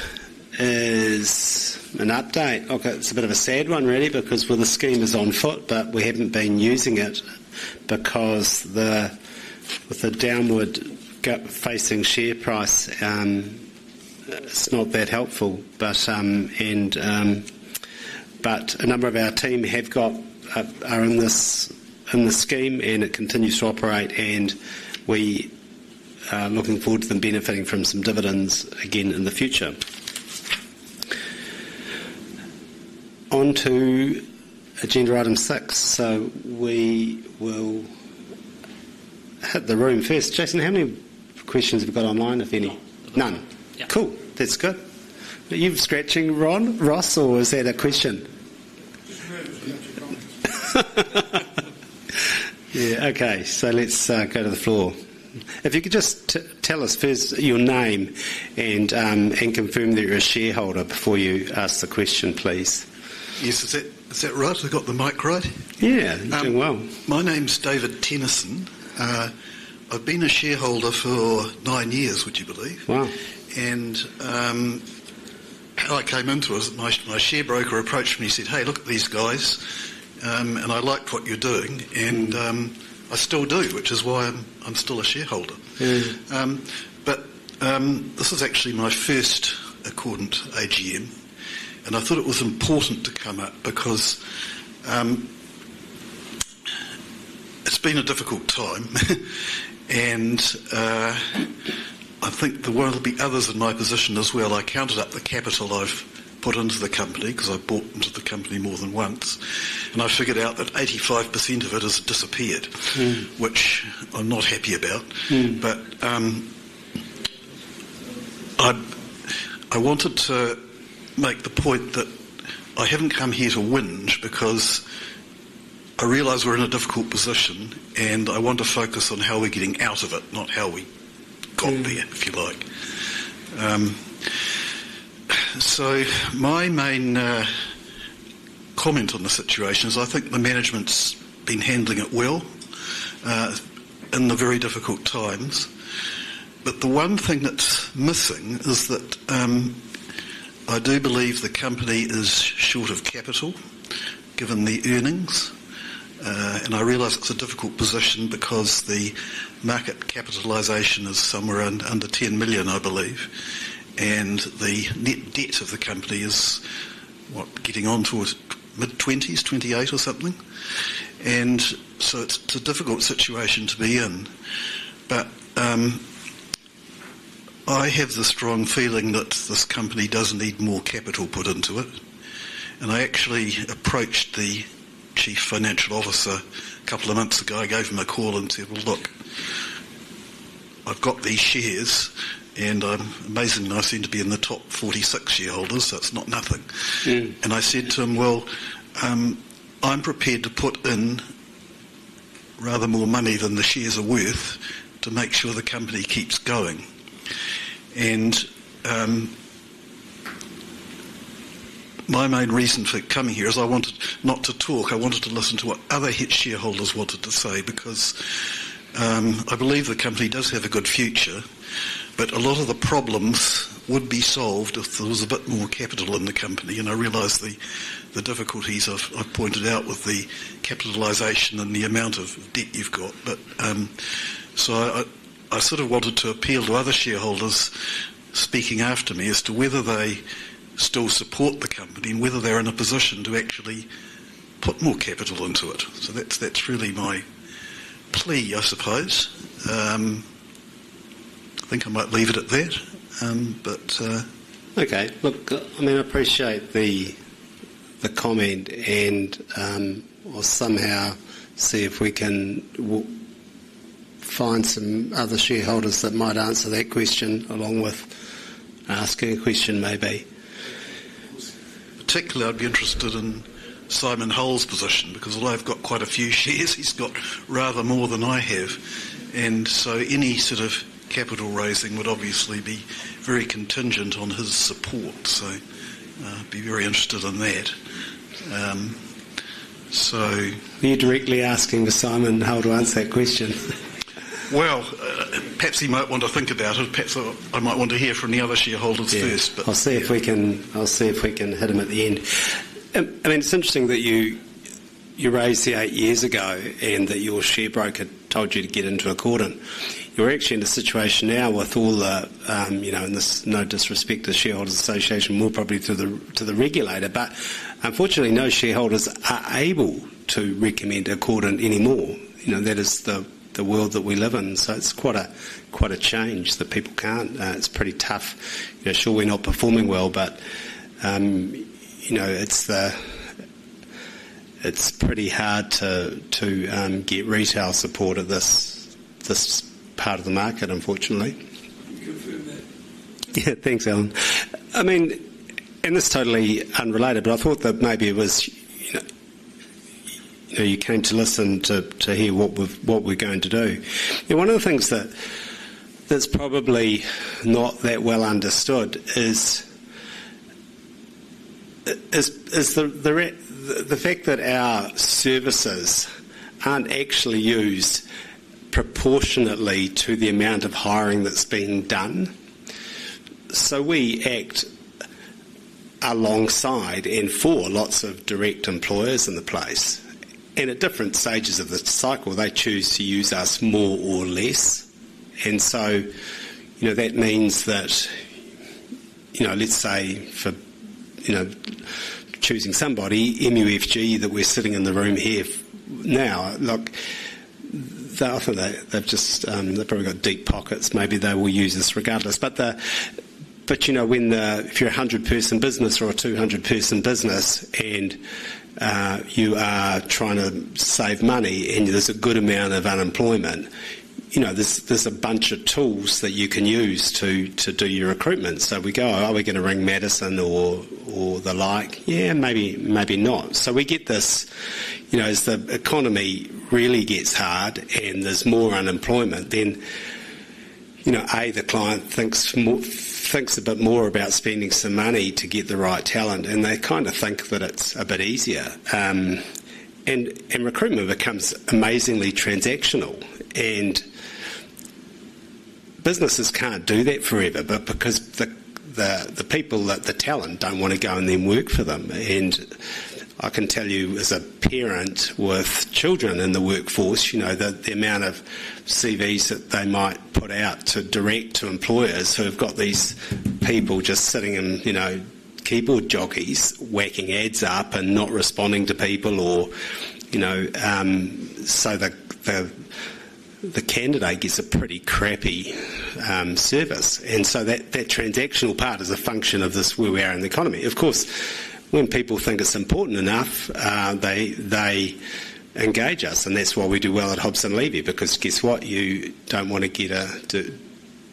S1: is an update. It's a bit of a sad one really because the scheme is on foot, but we haven't been using it because with the downward gap-facing share price, it's not that helpful. A number of our team are in the scheme and it continues to operate. We are looking forward to them benefiting from some dividends again in the future. On to agenda item six. We will have the room first. Jason, how many questions have you got online, if any? None.
S2: Yeah,
S1: cool. That's good. You're scratching, Ross, or is that a question? Yeah, okay. Let's go to the floor. If you could just tell us first your name and confirm that you're a shareholder before you ask the question, please.
S5: Yes, is that right? I got the mic right?
S1: Yeah, you're doing well.
S5: My name's David Tennison. I've been a shareholder for nine years, would you believe?
S1: Wow.
S5: I came into it. My share broker approached me and said, "Hey, look at these guys. I like what you're doing." I still do, which is why I'm still a shareholder. This is actually my first Accordant AGM. I thought it was important to come up because it's been a difficult time. I think there will be others in my position as well. I counted up the capital I've put into the company because I bought into the company more than once. I figured out that 85% of it has disappeared, which I'm not happy about. I wanted to make the point that I haven't come here to whinge because I realize we're in a difficult position and I want to focus on how we're getting out of it, not how we own there, if you like. My main comment on the situation is I think the management's been handling it well in the very difficult times. The one thing that's missing is that I do believe the company is short of capital given the earnings. I realize it's a difficult position because the market capitalization is somewhere under $10 million, I believe. The net debt of the company is, what, getting on towards mid-20s, $28 million or something. It's a difficult situation to be in. I have the strong feeling that this company does need more capital put into it. I actually approached the Chief Financial Officer a couple of months ago. I gave him a call and said, "I've got these shares and I'm amazingly nice to be in the top 46 shareholders. That's not nothing." I said to him, "I'm prepared to put in rather more money than the shares are worth to make sure the company keeps going." My main reason for coming here is I wanted not to talk. I wanted to listen to what other shareholders wanted to say because I believe the company does have a good future. A lot of the problems would be solved if there was a bit more capital in the company. I realize the difficulties I've pointed out with the capitalization and the amount of debt you've got. I sort of wanted to appeal to other shareholders speaking after me as to whether they still support the company and whether they're in a position to actually put more capital into it. That's really my plea, I suppose. I think I might leave it at that.
S1: Okay. I appreciate the comment, and I'll see if we can find some other shareholders that might answer that question along with asking a question maybe.
S5: Particularly, I'd be interested in Simon Hull's position because although I've got quite a few shares, he's got rather more than I have. Any sort of capital raising would obviously be very contingent on his support. I'd be very interested in that.
S1: Are you directly asking Simon Hull to answer that question?
S5: Perhaps he might want to think about it. Perhaps I might want to hear from the other shareholders first.
S1: I'll see if we can hit him at the end. I mean, it's interesting that you raised it eight years ago and that your share broker told you to get into Accordant. You're actually in a situation now with all the, you know, in this, no disrespect to Shareholders' Association, more probably to the regulator, but unfortunately, no shareholders are able to recommend Accordant anymore. You know, that is the world that we live in. It's quite a change that people can't. It's pretty tough. Sure, we're not performing well, but it's pretty hard to get retail support of this part of the market, unfortunately. Yeah, thanks, Alan. I mean, and it's totally unrelated, but I thought that maybe it was you came to listen to hear what we're going to do. One of the things that's probably not that well understood is the fact that our services aren't actually used proportionately to the amount of hiring that's being done. We act alongside and for lots of direct employers in the place. At different stages of the cycle, they choose to use us more or less. That means that, let's say for, you know, choosing somebody, MUFG, that we're sitting in the room here now, look, they've just, they've probably got deep pockets. Maybe they will use us regardless. If you're a 100-person business or a 200-person business and you are trying to save money and there's a good amount of unemployment, there's a bunch of tools that you can use to do your recruitment. We go, are we going to ring Madison or the like? Yeah, maybe not. We get this, as the economy really gets hard and there's more unemployment, then, A, the client thinks a bit more about spending some money to get the right talent. They kind of think that it's a bit easier. Recruitment becomes amazingly transactional. Businesses can't do that forever, because the people, the talent, don't want to go and then work for them. I can tell you, as a parent with children in the workforce, the amount of CVs that they might put out to direct to employers who have got these people just sitting in, you know, keyboard jockeys, whacking ads up and not responding to people, or, you know, so the candidate gets a pretty crappy service. That transactional part is a function of this where we are in the economy. Of course, when people think it's important enough, they engage us. That's why we do well at Hobson Leavy because, guess what, you don't want to get to,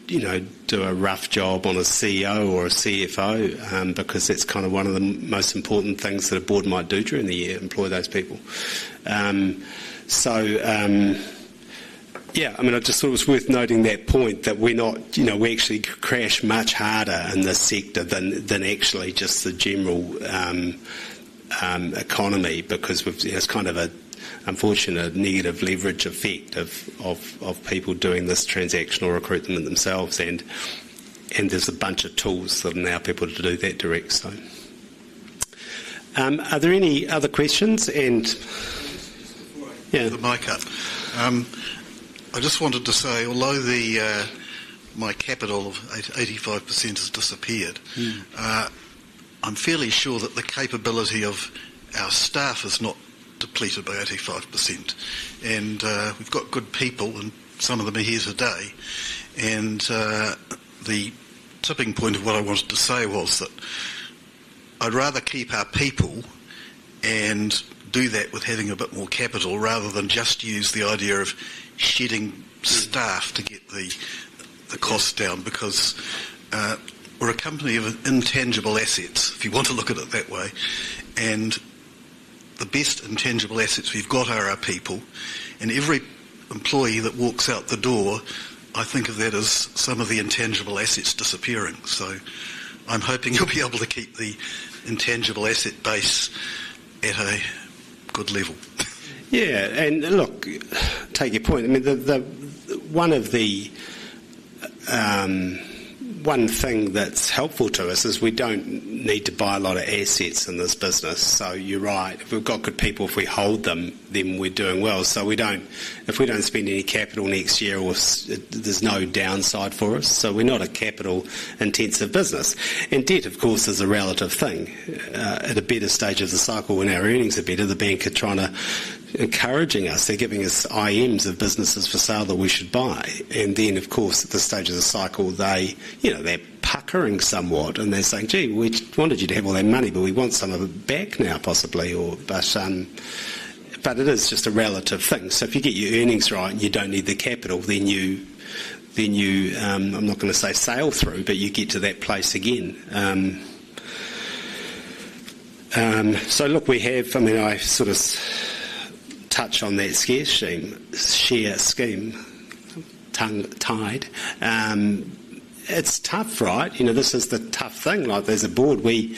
S1: you know, do a rough job on a CEO or a CFO because it's kind of one of the most important things that a board might do during the year, employ those people. I just thought it was worth noting that point that we're not, you know, we actually crash much harder in this sector than actually just the general economy because it's kind of an unfortunate negative leverage effect of people doing this transactional recruitment themselves. There are a bunch of tools that allow people to do that direct. So, are there any other questions?
S5: I just wanted to say, although my capital of 85% has disappeared, I'm fairly sure that the capability of our staff is not depleted by 85%. We've got good people, and some of them are here today. The tipping point of what I wanted to say was that I'd rather keep our people and do that with having a bit more capital rather than just use the idea of shedding staff to get the cost down because we're a company of intangible assets, if you want to look at it that way. The best intangible assets we've got are our people. Every employee that walks out the door, I think of that as some of the intangible assets disappearing. I'm hoping you'll be able to keep the intangible asset base at a good level.
S1: Yeah. I mean, one of the things that's helpful to us is we don't need to buy a lot of assets in this business. You're right. If we've got good people, if we hold them, then we're doing well. If we don't spend any capital next year, there's no downside for us. We're not a capital-intensive business. Debt, of course, is a relative thing. At a better stage of the cycle, when our earnings are better, the banks are trying to encourage us. They're giving us IMs of businesses for sale that we should buy. At this stage of the cycle, they're puckering somewhat, and they're saying, "Gee, we wanted you to have all that money, but we want some of it back now, possibly." It is just a relative thing. If you get your earnings right and you don't need the capital, then you, I'm not going to say sail through, but you get to that place again. We have, I mean, I sort of touched on that share scheme tongue tied. It's tough, right? This is the tough thing. There's a board. We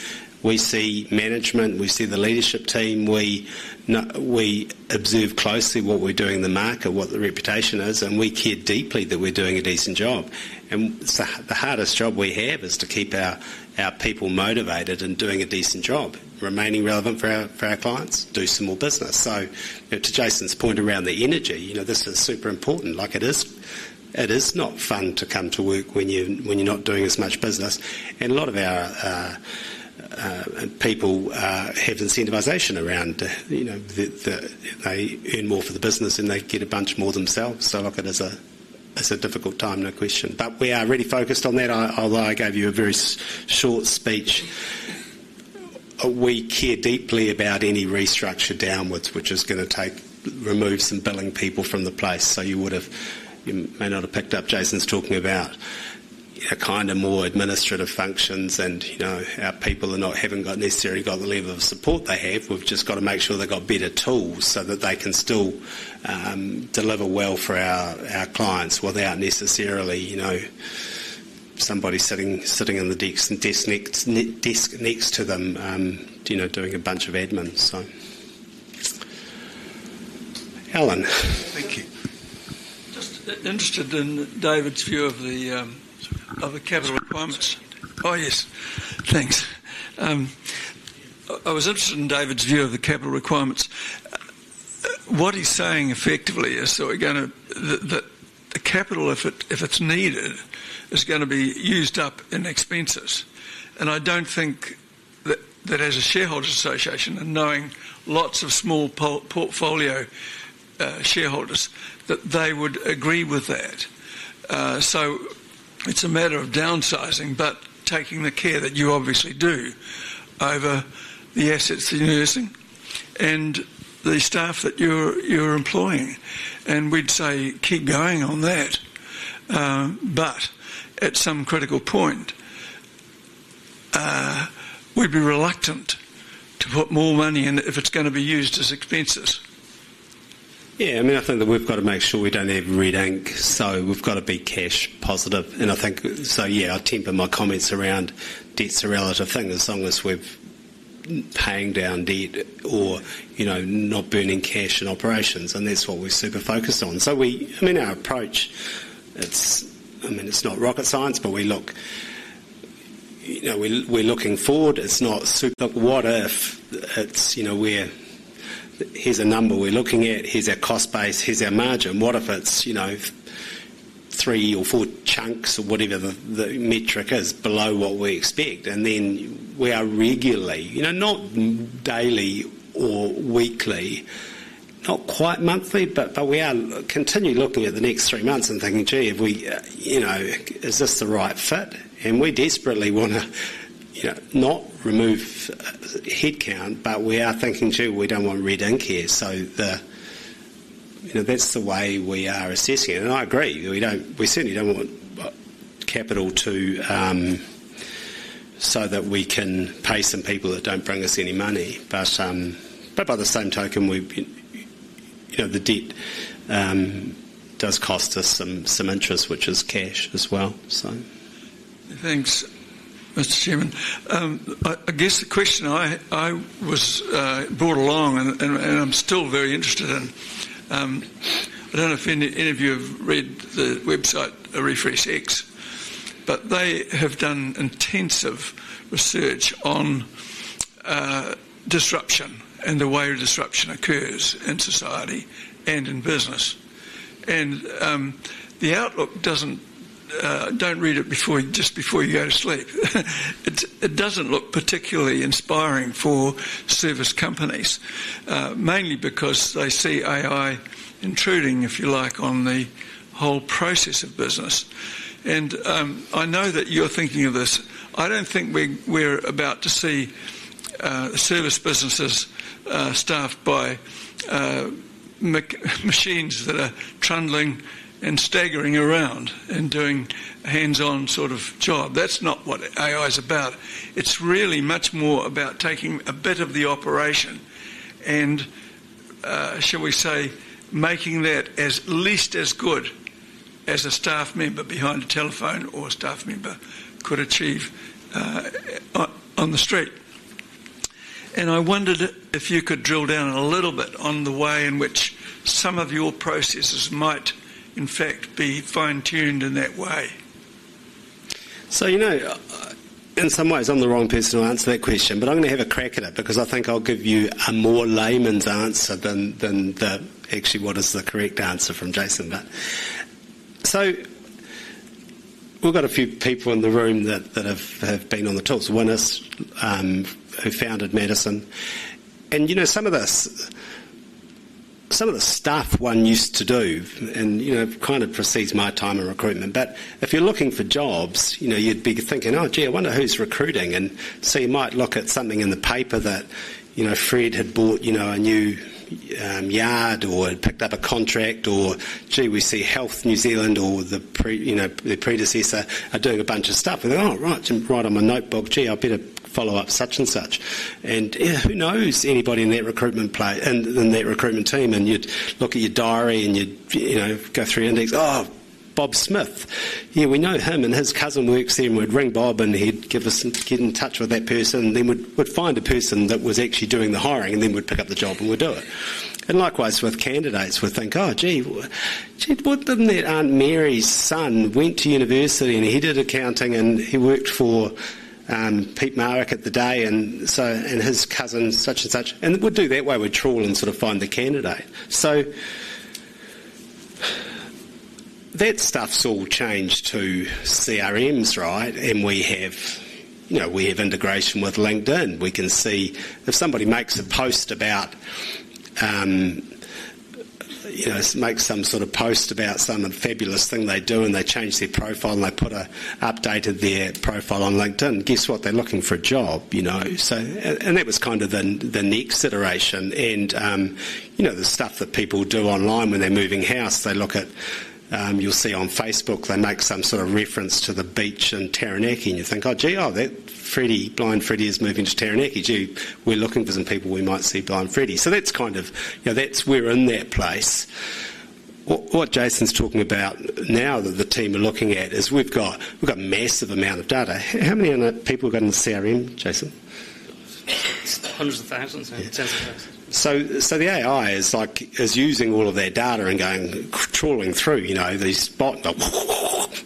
S1: see management. We see the leadership team. We observe closely what we're doing in the market, what the reputation is, and we care deeply that we're doing a decent job. The hardest job we have is to keep our people motivated and doing a decent job, remaining relevant for our clients, do some more business. To Jason's point around the energy, this is super important. It is not fun to come to work when you're not doing as much business. A lot of our people have incentivisation around, you know, that they earn more for the business and they get a bunch more themselves. It is a difficult time and a question. We are really focused on that. Although I gave you a very short speech, we care deeply about any restructure downwards, which is going to remove some billing people from the place. You may not have picked up Jason's talking about kind of more administrative functions and our people are not having got necessarily the level of support they have. We've just got to make sure they've got better tools so that they can still deliver well for our clients without necessarily somebody sitting in the desk next to them doing a bunch of admin. Alan,
S5: thank you.
S6: I was interested in David's view of the capital requirements. What he's saying effectively is, we're going to, if the capital is needed, it's going to be used up in expenses. I don't think that as a shareholders' association and knowing lots of small portfolio shareholders, that they would agree with that. It's a matter of downsizing, but taking the care that you obviously do over the assets that you're using and the staff that you're employing. We'd say, keep going on that. At some critical point, we'd be reluctant to put more money in if it's going to be used as expenses.
S1: Yeah, I mean, I think that we've got to make sure we don't have red ink. We've got to be cash positive. I temper my comments around debt's a relative thing as long as we're paying down debt or not burning cash in operations. That's what we're super focused on. Our approach, it's not rocket science, but we're looking forward. It's not super. Look, what if it's, you know, here's a number we're looking at, here's our cost base, here's our margin. What if it's three or four chunks or whatever the metric is below what we expect? We are regularly, not daily or weekly, not quite monthly, but we are continually looking at the next three months and thinking, gee, is this the right fit? We desperately want to not remove headcount, but we are thinking, gee, we don't want red ink here. That's the way we are assessing it. I agree, we certainly don't want capital to pay some people that don't bring us any money. By the same token, the debt does cost us some interest, which is cash as well.
S6: Thanks, Mr. Chairman. I guess the question I was brought along, and I'm still very interested in, I don't know if any of you have read the website, a Refresh X, but they have done intensive research on disruption and the way disruption occurs in society and in business. The outlook, don't read it just before you go to sleep. It doesn't look particularly inspiring for service companies, mainly because they see AI intruding, if you like, on the whole process of business. I know that you're thinking of this. I don't think we're about to see service businesses staffed by machines that are trundling and staggering around and doing a hands-on sort of job. That's not what AI is about. It's really much more about taking a bit of the operation and, shall we say, making that at least as good as a staff member behind a telephone or a staff member could achieve on the street. I wondered if you could drill down a little bit on the way in which some of your processes might, in fact, be fine-tuned in that way.
S1: In some ways, I'm the wrong person to answer that question, but I'm going to have a crack at it because I think I'll give you a more layman's answer than actually what is the correct answer from Jason. We've got a few people in the room that have been on the talks, one who founded Madison. Some of this, some of the stuff one used to do, kind of precedes my time in recruitment. If you're looking for jobs, you'd be thinking, "Oh, gee, I wonder who's recruiting." You might look at something in the paper that Fred had bought, a new yard or had picked up a contract or, gee, we see Health New Zealand or their predecessor are doing a bunch of stuff. We're like, "Oh, right, it's right on my notebook, gee, I better follow up such and such." Who knows anybody in that recruitment team? You'd look at your diary and you'd go through and think, "Oh, Bob Smith. Yeah, we know him and his cousin works here." We'd ring Bob and he'd get us in touch with that person. Then we'd find a person that was actually doing the hiring and then we'd pick up the job and we'd do it. Likewise with candidates, we'd think, "Oh, gee, didn't that Aunt Mary's son went to university and he did accounting and he worked for Pete Marrick at the day and so and his cousin such and such." We'd do that way. We'd trawl and sort of find the candidate. That stuff's all changed to CRMs, right? We have integration with LinkedIn. We can see if somebody makes a post about, you know, makes some sort of post about some fabulous thing they do and they change their profile and they put an update of their profile on LinkedIn, guess what? They're looking for a job, you know. That was kind of the next iteration. The stuff that people do online when they're moving house, they look at, you'll see on Facebook, they make some sort of reference to the beach in Taranaki. You think, "Oh, gee, oh, that Freddie, blind Freddie is moving to Taranaki. Gee, we're looking for some people we might see blind Freddie." That's kind of, you know, that's we're in that place. What Jason's talking about now that the team are looking at is we've got a massive amount of data. How many people have got in CRM, Jason?
S2: Hundreds of thousands and tens of thousands.
S1: The AI is using all of their data and going, trawling through these bot, or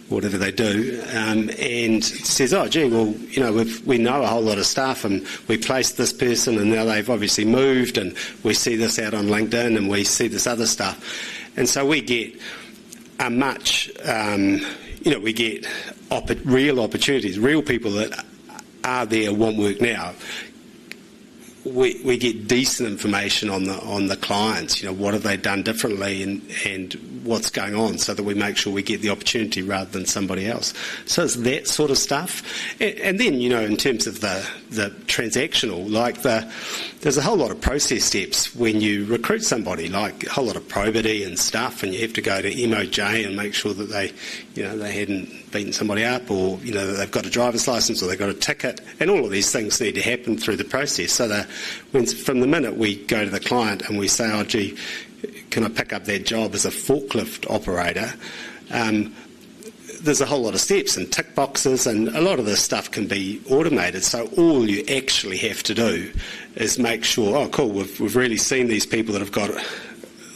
S1: whatever they do, and says, "Oh, gee, we know a whole lot of stuff and we placed this person and now they've obviously moved and we see this out on LinkedIn and we see this other stuff." We get real opportunities, real people that are there at ONE@Work now. We get decent information on the clients, what have they done differently and what's going on so that we make sure we get the opportunity rather than somebody else. It's that sort of stuff. In terms of the transactional, there's a whole lot of process steps when you recruit somebody, like a whole lot of probity and stuff, and you have to go to MOJ and make sure that they hadn't beaten somebody up or they've got a driver's license or they've got a ticket. All of these things need to happen through the process. From the minute we go to the client and we say, "Oh, gee, can I pick up that job as a forklift operator?" there's a whole lot of steps and tick boxes and a lot of this stuff can be automated. All you actually have to do is make sure, "Oh, cool, we've really seen these people that have got,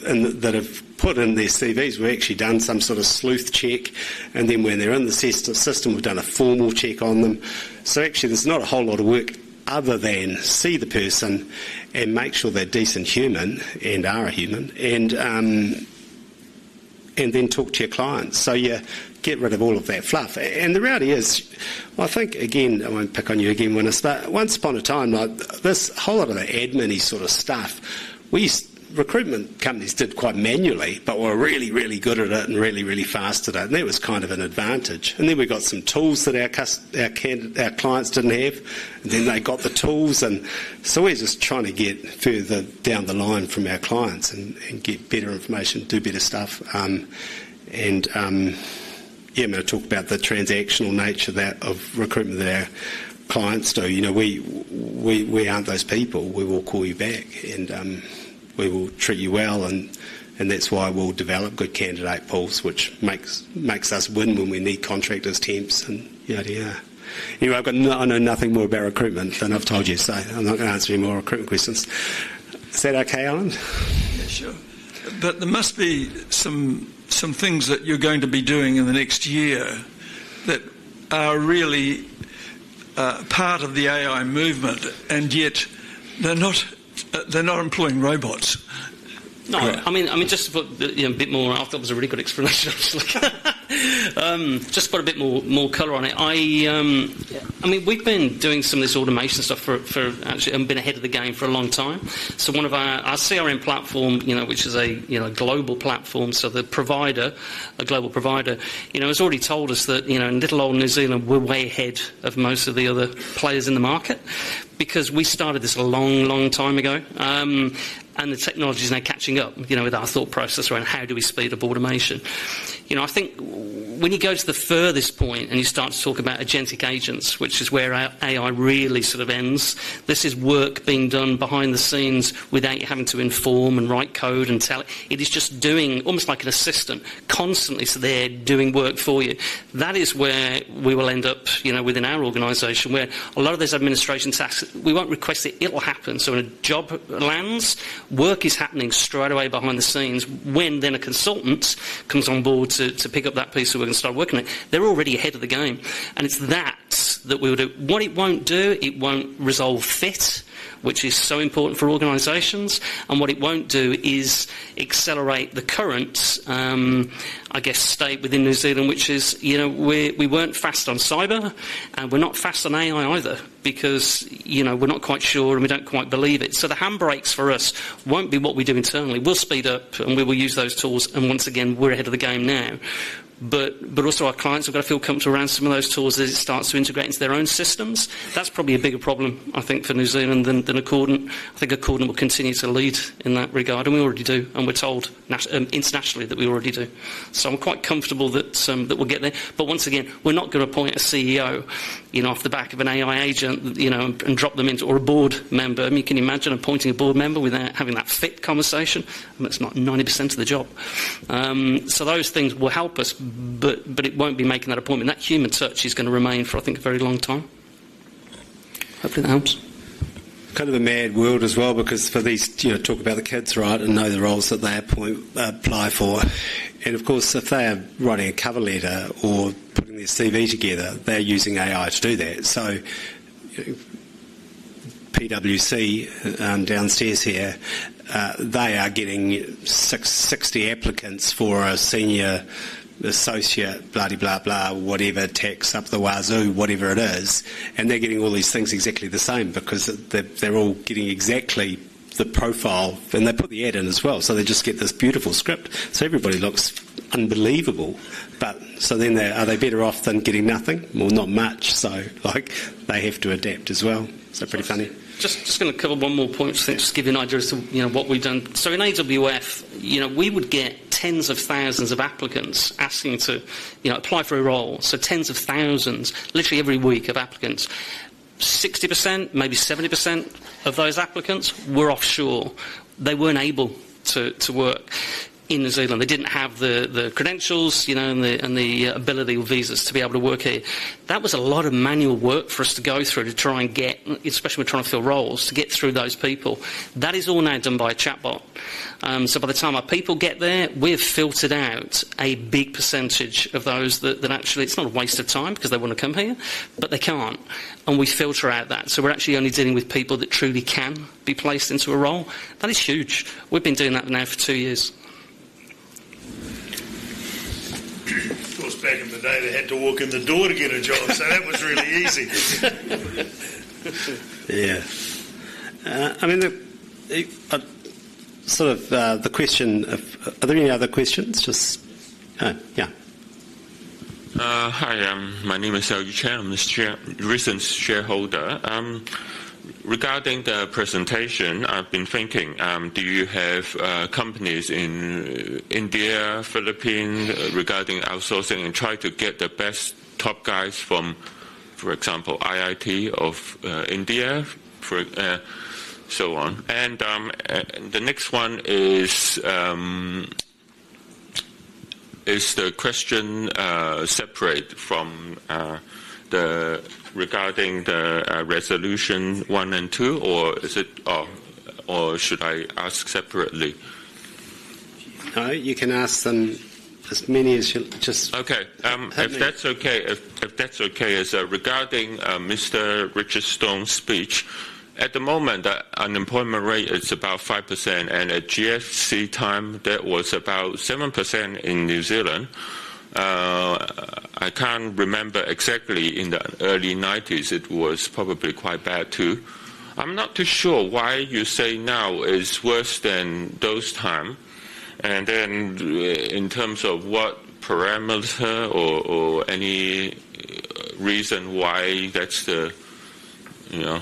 S1: and that have put in their CVs. We've actually done some sort of sleuth check." When they're in the system, we've done a formal check on them. Actually, there's not a whole lot of work other than see the person and make sure they're decent human and are a human, and then talk to your clients. You get rid of all of that fluff. The reality is, I think, again, I won't pick on you again when I start. Once upon a time, this whole lot of the admin sort of stuff, recruitment companies did quite manually, but we're really, really good at it and really, really fast at it. That was kind of an advantage. We got some tools that our clients didn't have. Then they got the tools. We're just trying to get further down the line from our clients and get better information, do better stuff. I'm going to talk about the transactional nature of that recruitment that our clients do. We aren't those people. We will call you back and we will treat you well. That's why we'll develop good candidate pools, which makes us win when we need contractors, temps, and yada yada. Anyway, I know nothing more about recruitment than I've told you. I'm not going to answer any more recruitment questions. Is that okay, Alan?
S6: Yeah, sure. There must be some things that you're going to be doing in the next year that are really part of the AI movement, and yet they're not employing robots.
S2: I thought it was a really good explanation, actually. Just to put a bit more color on it, we've been doing some of this automation stuff for actually, I've been ahead of the game for a long time. One of our CRM platforms, which is a global platform, so the provider, a global provider, has already told us that in little old New Zealand, we're way ahead of most of the other players in the market because we started this a long, long time ago. The technology is now catching up with our thought process around how do we speed up automation. I think when you go to the furthest point and you start to talk about agentic agents, which is where our AI really sort of ends, this is work being done behind the scenes without you having to inform and write code and tell it. It is just doing almost like an assistant constantly. They're doing work for you. That is where we will end up within our organization where a lot of those administration tasks, we won't request it. It'll happen. When a job lands, work is happening straight away behind the scenes when then a consultant comes on board to pick up that piece so we can start working on it. They're already ahead of the game. It's that that we would do. What it won't do, it won't resolve fit, which is so important for organizations. What it won't do is accelerate the current, I guess, state within New Zealand, which is, we weren't fast on cyber and we're not fast on AI either because we're not quite sure and we don't quite believe it. The handbrakes for us won't be what we do internally. We'll speed up and we will use those tools. Once again, we're ahead of the game now. Also, our clients have got to feel comfortable around some of those tools as it starts to integrate into their own systems. That's probably a bigger problem, I think, for New Zealand than Accordant. I think Accordant will continue to lead in that regard. We already do. We're told internationally that we already do. We're quite comfortable that we'll get there. Once again, we're not going to appoint a CEO off the back of an AI agent and drop them into or a board member. I mean, you can imagine appointing a board member without having that fit conversation. That's not 90% of the job. Those things will help us, but it won't be making that appointment. That human touch is going to remain for, I think, a very long time. Hopefully, that helps.
S1: Kind of a mad world as well because for these, you know, talk about the kids, right, and know the roles that they apply for. Of course, if they are writing a cover letter or putting their CV together, they're using AI to do that. PWC downstairs here, they are getting 60 applicants for a Senior Associate, blah, blah, blah, whatever, techs up the wazoo, whatever it is. They're getting all these things exactly the same because they're all getting exactly the profile. They put the ad in as well. They just get this beautiful script. Everybody looks unbelievable. They are better off than getting nothing, well, not much. They have to adapt as well. Pretty funny.
S2: Just going to cover one more point, I think, just to give you an idea of what we've done. In AWF, you know, we would get tens of thousands of applicants asking to, you know, apply for a role. Tens of thousands, literally every week of applicants. 60%, maybe 70% of those applicants were offshore. They weren't able to work in New Zealand. They didn't have the credentials, you know, and the ability or visas to be able to work here. That was a lot of manual work for us to go through to try and get, especially when we're trying to fill roles, to get through those people. That is all now done by a chatbot. By the time our people get there, we have filtered out a big percentage of those that actually, it's not a waste of time because they want to come here, but they can't. We filter out that. We're actually only dealing with people that truly can be placed into a role. That is huge. We've been doing that now for two years.
S6: Of course, back in the day, they had to walk in the door to get a job. That was really easy.
S1: Yeah, I mean, the sort of the question of, are there any other questions? Just, yeah.
S7: Hi, my name is LG Chan. I'm a recent shareholder. Regarding the presentation, I've been thinking, do you have companies in India, Philippines regarding outsourcing and try to get the best top guys from, for example, IIT of India and so on? The next one is, is the question separate from the regarding the resolution one and two, or is it, or should I ask separately?
S1: You can ask them as many as you just.
S7: Okay. If that's okay, it's regarding Mr. Richard Stone's speech. At the moment, the unemployment rate is about 5% and at GFC time, that was about 7% in New Zealand. I can't remember exactly; in the early 1990s, it was probably quite bad too. I'm not too sure why you say now it's worse than those times. In terms of what parameter or any reason why that's the, you know.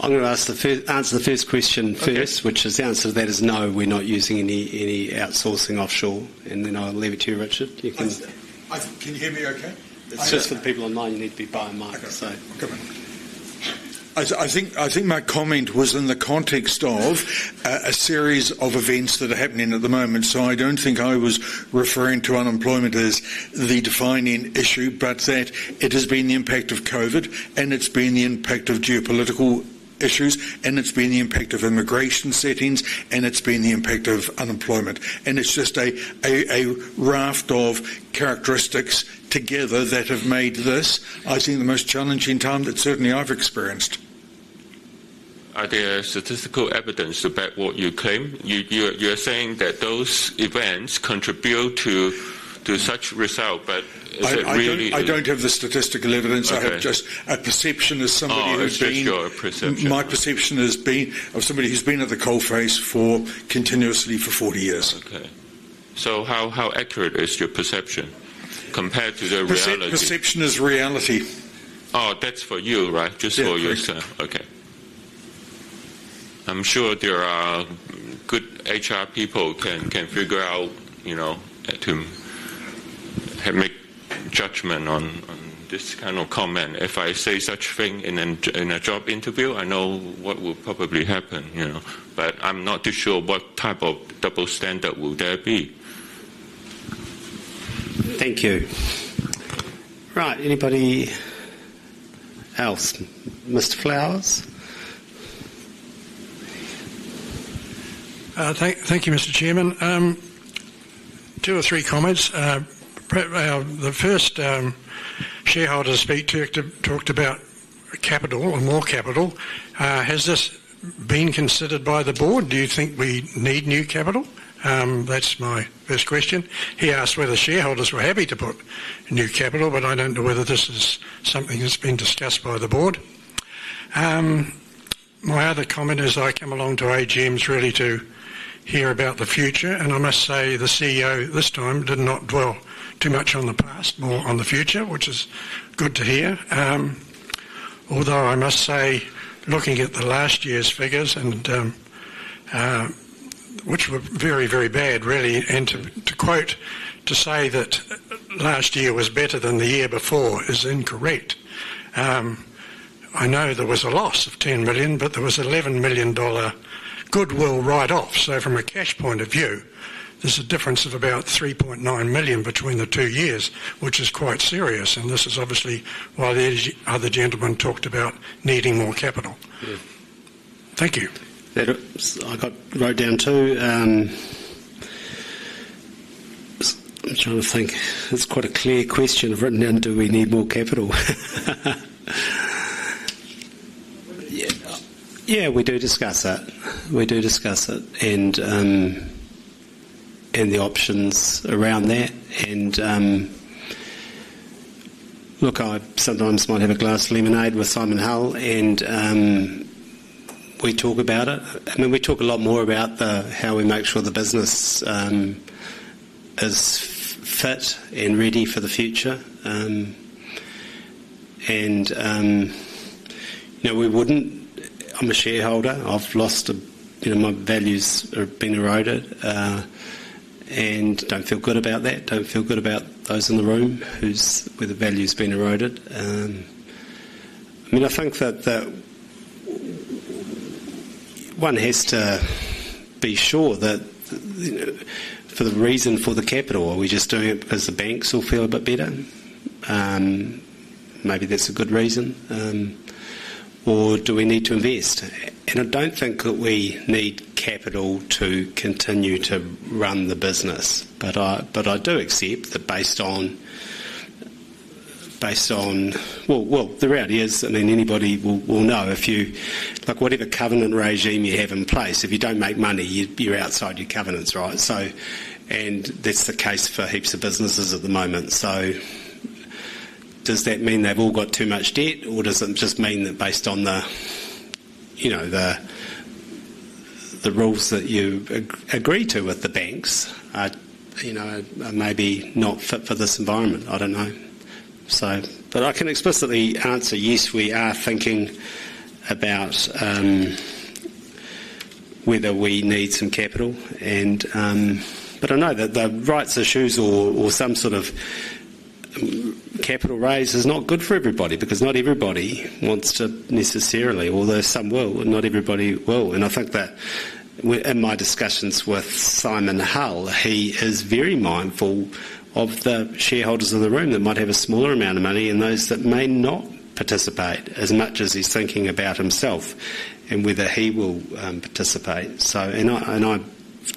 S1: I'm going to answer the first question first, which is the answer to that is no, we're not using any outsourcing offshore. I'll leave it to you, Richard. You can.
S4: Can you hear me okay?
S1: I just said people online need to be by my side.
S4: I think my comment was in the context of a series of events that are happening at the moment. I don't think I was referring to unemployment as the defining issue, but that it has been the impact of COVID, and it's been the impact of geopolitical issues, and it's been the impact of immigration settings, and it's been the impact of unemployment. It's just a raft of characteristics together that have made this, I think, the most challenging time that certainly I've experienced.
S7: Is there statistical evidence about what you claim? You are saying that those events contribute to such a result, but is it really?
S4: I don't have the statistical evidence. I have just a perception as somebody who's been.
S7: What is your perception?
S4: My perception is being of somebody who's been at the coalface continuously for 40 years.
S7: Okay. How accurate is your perception compared to the reality?
S5: My perception is reality.
S7: Oh, that's for you, right? Just for you, sir. Okay. I'm sure there are good HR people who can figure out, you know, to have a judgment on this kind of comment. If I say such a thing in a job interview, I know what will probably happen, you know, but I'm not too sure what type of double standard will there be.
S1: Thank you. Right. Anybody else? Mr. Flowers?
S8: Thank you, Mr. Chairman. Two or three comments. The first shareholder speech talked about capital and more capital. Has this been considered by the board? Do you think we need new capital? That's my first question. He asked whether shareholders were happy to put new capital, but I don't know whether this is something that's been discussed by the board. My other comment is I come along to AGMs really to hear about the future. I must say the CEO this time did not dwell too much on the past, more on the future, which is good to hear. Although I must say, looking at last year's figures, which were very, very bad, really, to quote to say that last year was better than the year before is incorrect. I know there was a loss of $10 million, but there was an $11 million goodwill write-off. From a cash point of view, there's a difference of about $3.9 million between the two years, which is quite serious. This is obviously why the other gentlemen talked about needing more capital. Thank you.
S1: I got wrote down too. I'm trying to think. It's quite a clear question I've written down. Do we need more capital? Yeah, we do discuss that. We do discuss it and the options around that. Look, I sometimes might have a glass of lemonade with Simon Hull and we talk about it. I mean, we talk a lot more about how we make sure the business is fit and ready for the future. You know we wouldn't, I'm a shareholder. I've lost a, you know, my values have been eroded. I don't feel good about that. I don't feel good about those in the room where the value has been eroded. I think that one has to be sure that, you know, for the reason for the capital, are we just doing it as the banks all feel a bit better? Maybe that's a good reason. Or do we need to invest? I don't think that we need capital to continue to run the business. I do accept that based on, well, the reality is, I mean, anybody will know if you, like whatever covenant regime you have in place, if you don't make money, you're outside your covenants, right? That's the case for heaps of businesses at the moment. Does that mean they've all got too much debt or does it just mean that based on the, you know, the rules that you agree to with the banks, you know, maybe not fit for this environment? I don't know. I can explicitly answer yes, we are thinking about whether we need some capital. I know that the rights issues or some sort of capital raise is not good for everybody because not everybody wants to necessarily, although some will and not everybody will. I think that in my discussions with Simon Hull, he is very mindful of the shareholders in the room that might have a smaller amount of money and those that may not participate as much as he's thinking about himself and whether he will participate. I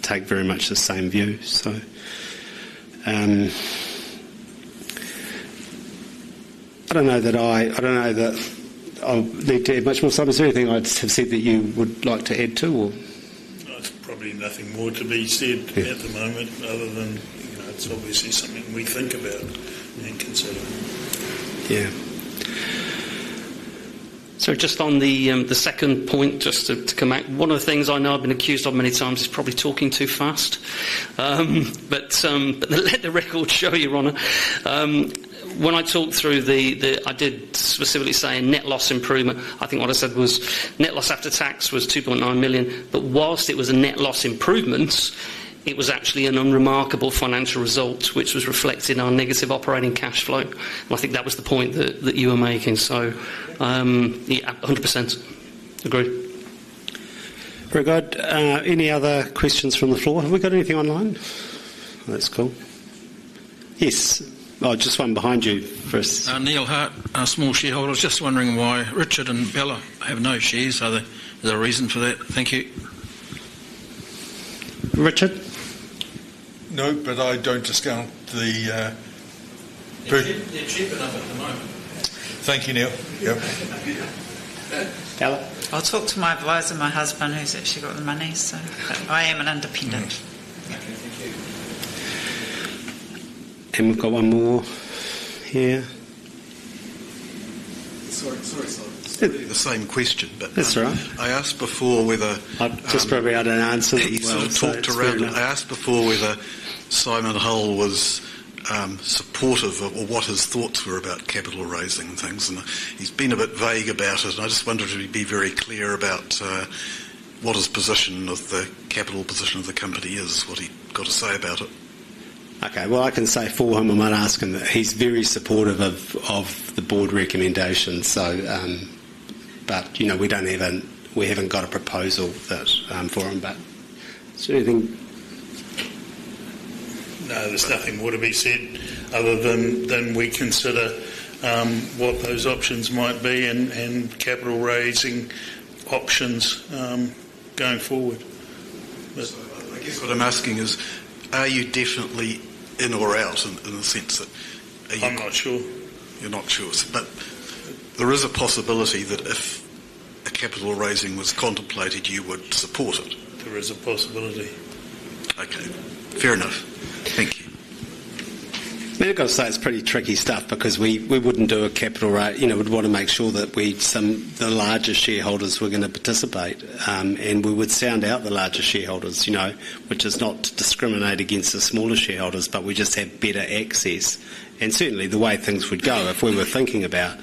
S1: take very much the same view. I don't know that I, I don't know that I need to add much more. Simon, is there anything I'd have said that you would like to add to or?
S5: There's probably nothing more to be said at the moment other than, you know, it's obviously something we think about and consider.
S1: Yeah.
S2: On the second point, one of the things I know I've been accused of many times is probably talking too fast. Let the record show, Your Honor, when I talked through it, I did specifically say a net loss improvement. I think what I said was net loss after tax was $2.9 million. Whilst it was a net loss improvement, it was actually an unremarkable financial result, which was reflected in our negative operating cash flow. I think that was the point that you were making. Yeah, 100% agree.
S1: Very good. Any other questions from the floor? Have we got anything online? That's cool. Yes. Oh, just one behind you first.
S9: I was just wondering why Richard and Bella have no shares. Is there a reason for that? Thank you.
S1: Richard?
S4: No, I don't discount the... Thank you, Neil. Yeah.
S1: Bella
S10: I'll talk to my advisor, my husband, who's actually got the money. I am an independent.
S1: We have got one more here.
S5: It's going to be the same question, but I asked before whether...
S1: Just probably add an answer that you've talked around.
S5: I asked before whether Simon Hull was supportive of what his thoughts were about capital raising things. He's been a bit vague about it. I just wondered if he'd be very clear about what his position of the capital position of the company is, what he got to say about it.
S1: Okay, I can say for him, I'm going to ask him that he's very supportive of the board recommendations. You know, we don't even, we haven't got a proposal for him, but is there anything?
S4: No, there's nothing more to be said other than we consider what those options might be and capital raising options going forward.
S5: I guess what I'm asking is, are you definitely in or out in the sense that are you?
S4: I'm not sure.
S5: You're not sure, but there is a possibility that if a capital raising was contemplated, you would support it.
S4: There is a possibility.
S5: Okay, fair enough. Thank you.
S1: You've got to say it's pretty tricky stuff because we wouldn't do a capital raise. We'd want to make sure that we, some of the largest shareholders, were going to participate. We would sound out the largest shareholders, which is not to discriminate against the smaller shareholders, but we just had better access. Certainly the way things would go if we were thinking about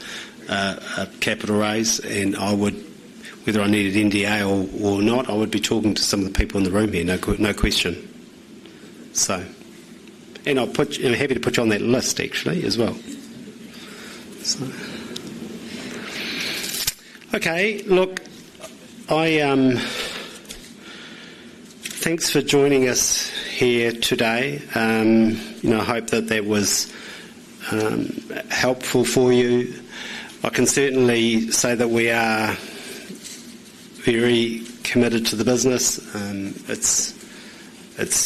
S1: a capital raise. Whether I needed an NDA or not, I would be talking to some of the people in the room here, no question. I'm happy to put you on that list actually as well. Okay, look, thanks for joining us here today. I hope that that was helpful for you. I can certainly say that we are very committed to the business. It's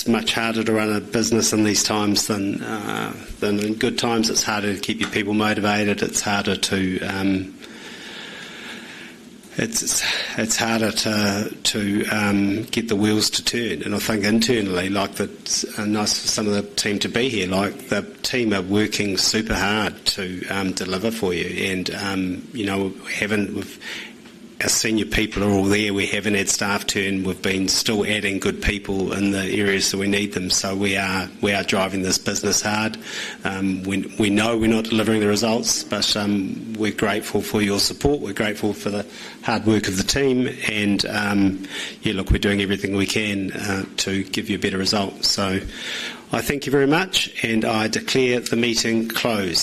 S1: much harder to run a business in these times than in good times. It's harder to keep your people motivated. It's harder to get the wheels to turn. I think internally, it's nice for some of the team to be here, the team are working super hard to deliver for you. Having our senior people all there, we haven't had staff turn. We've been still adding good people in the areas that we need them. We are driving this business hard. We know we're not delivering the results, but we're grateful for your support. We're grateful for the hard work of the team. We're doing everything we can to give you a better result. I thank you very much. I declare the meeting closed.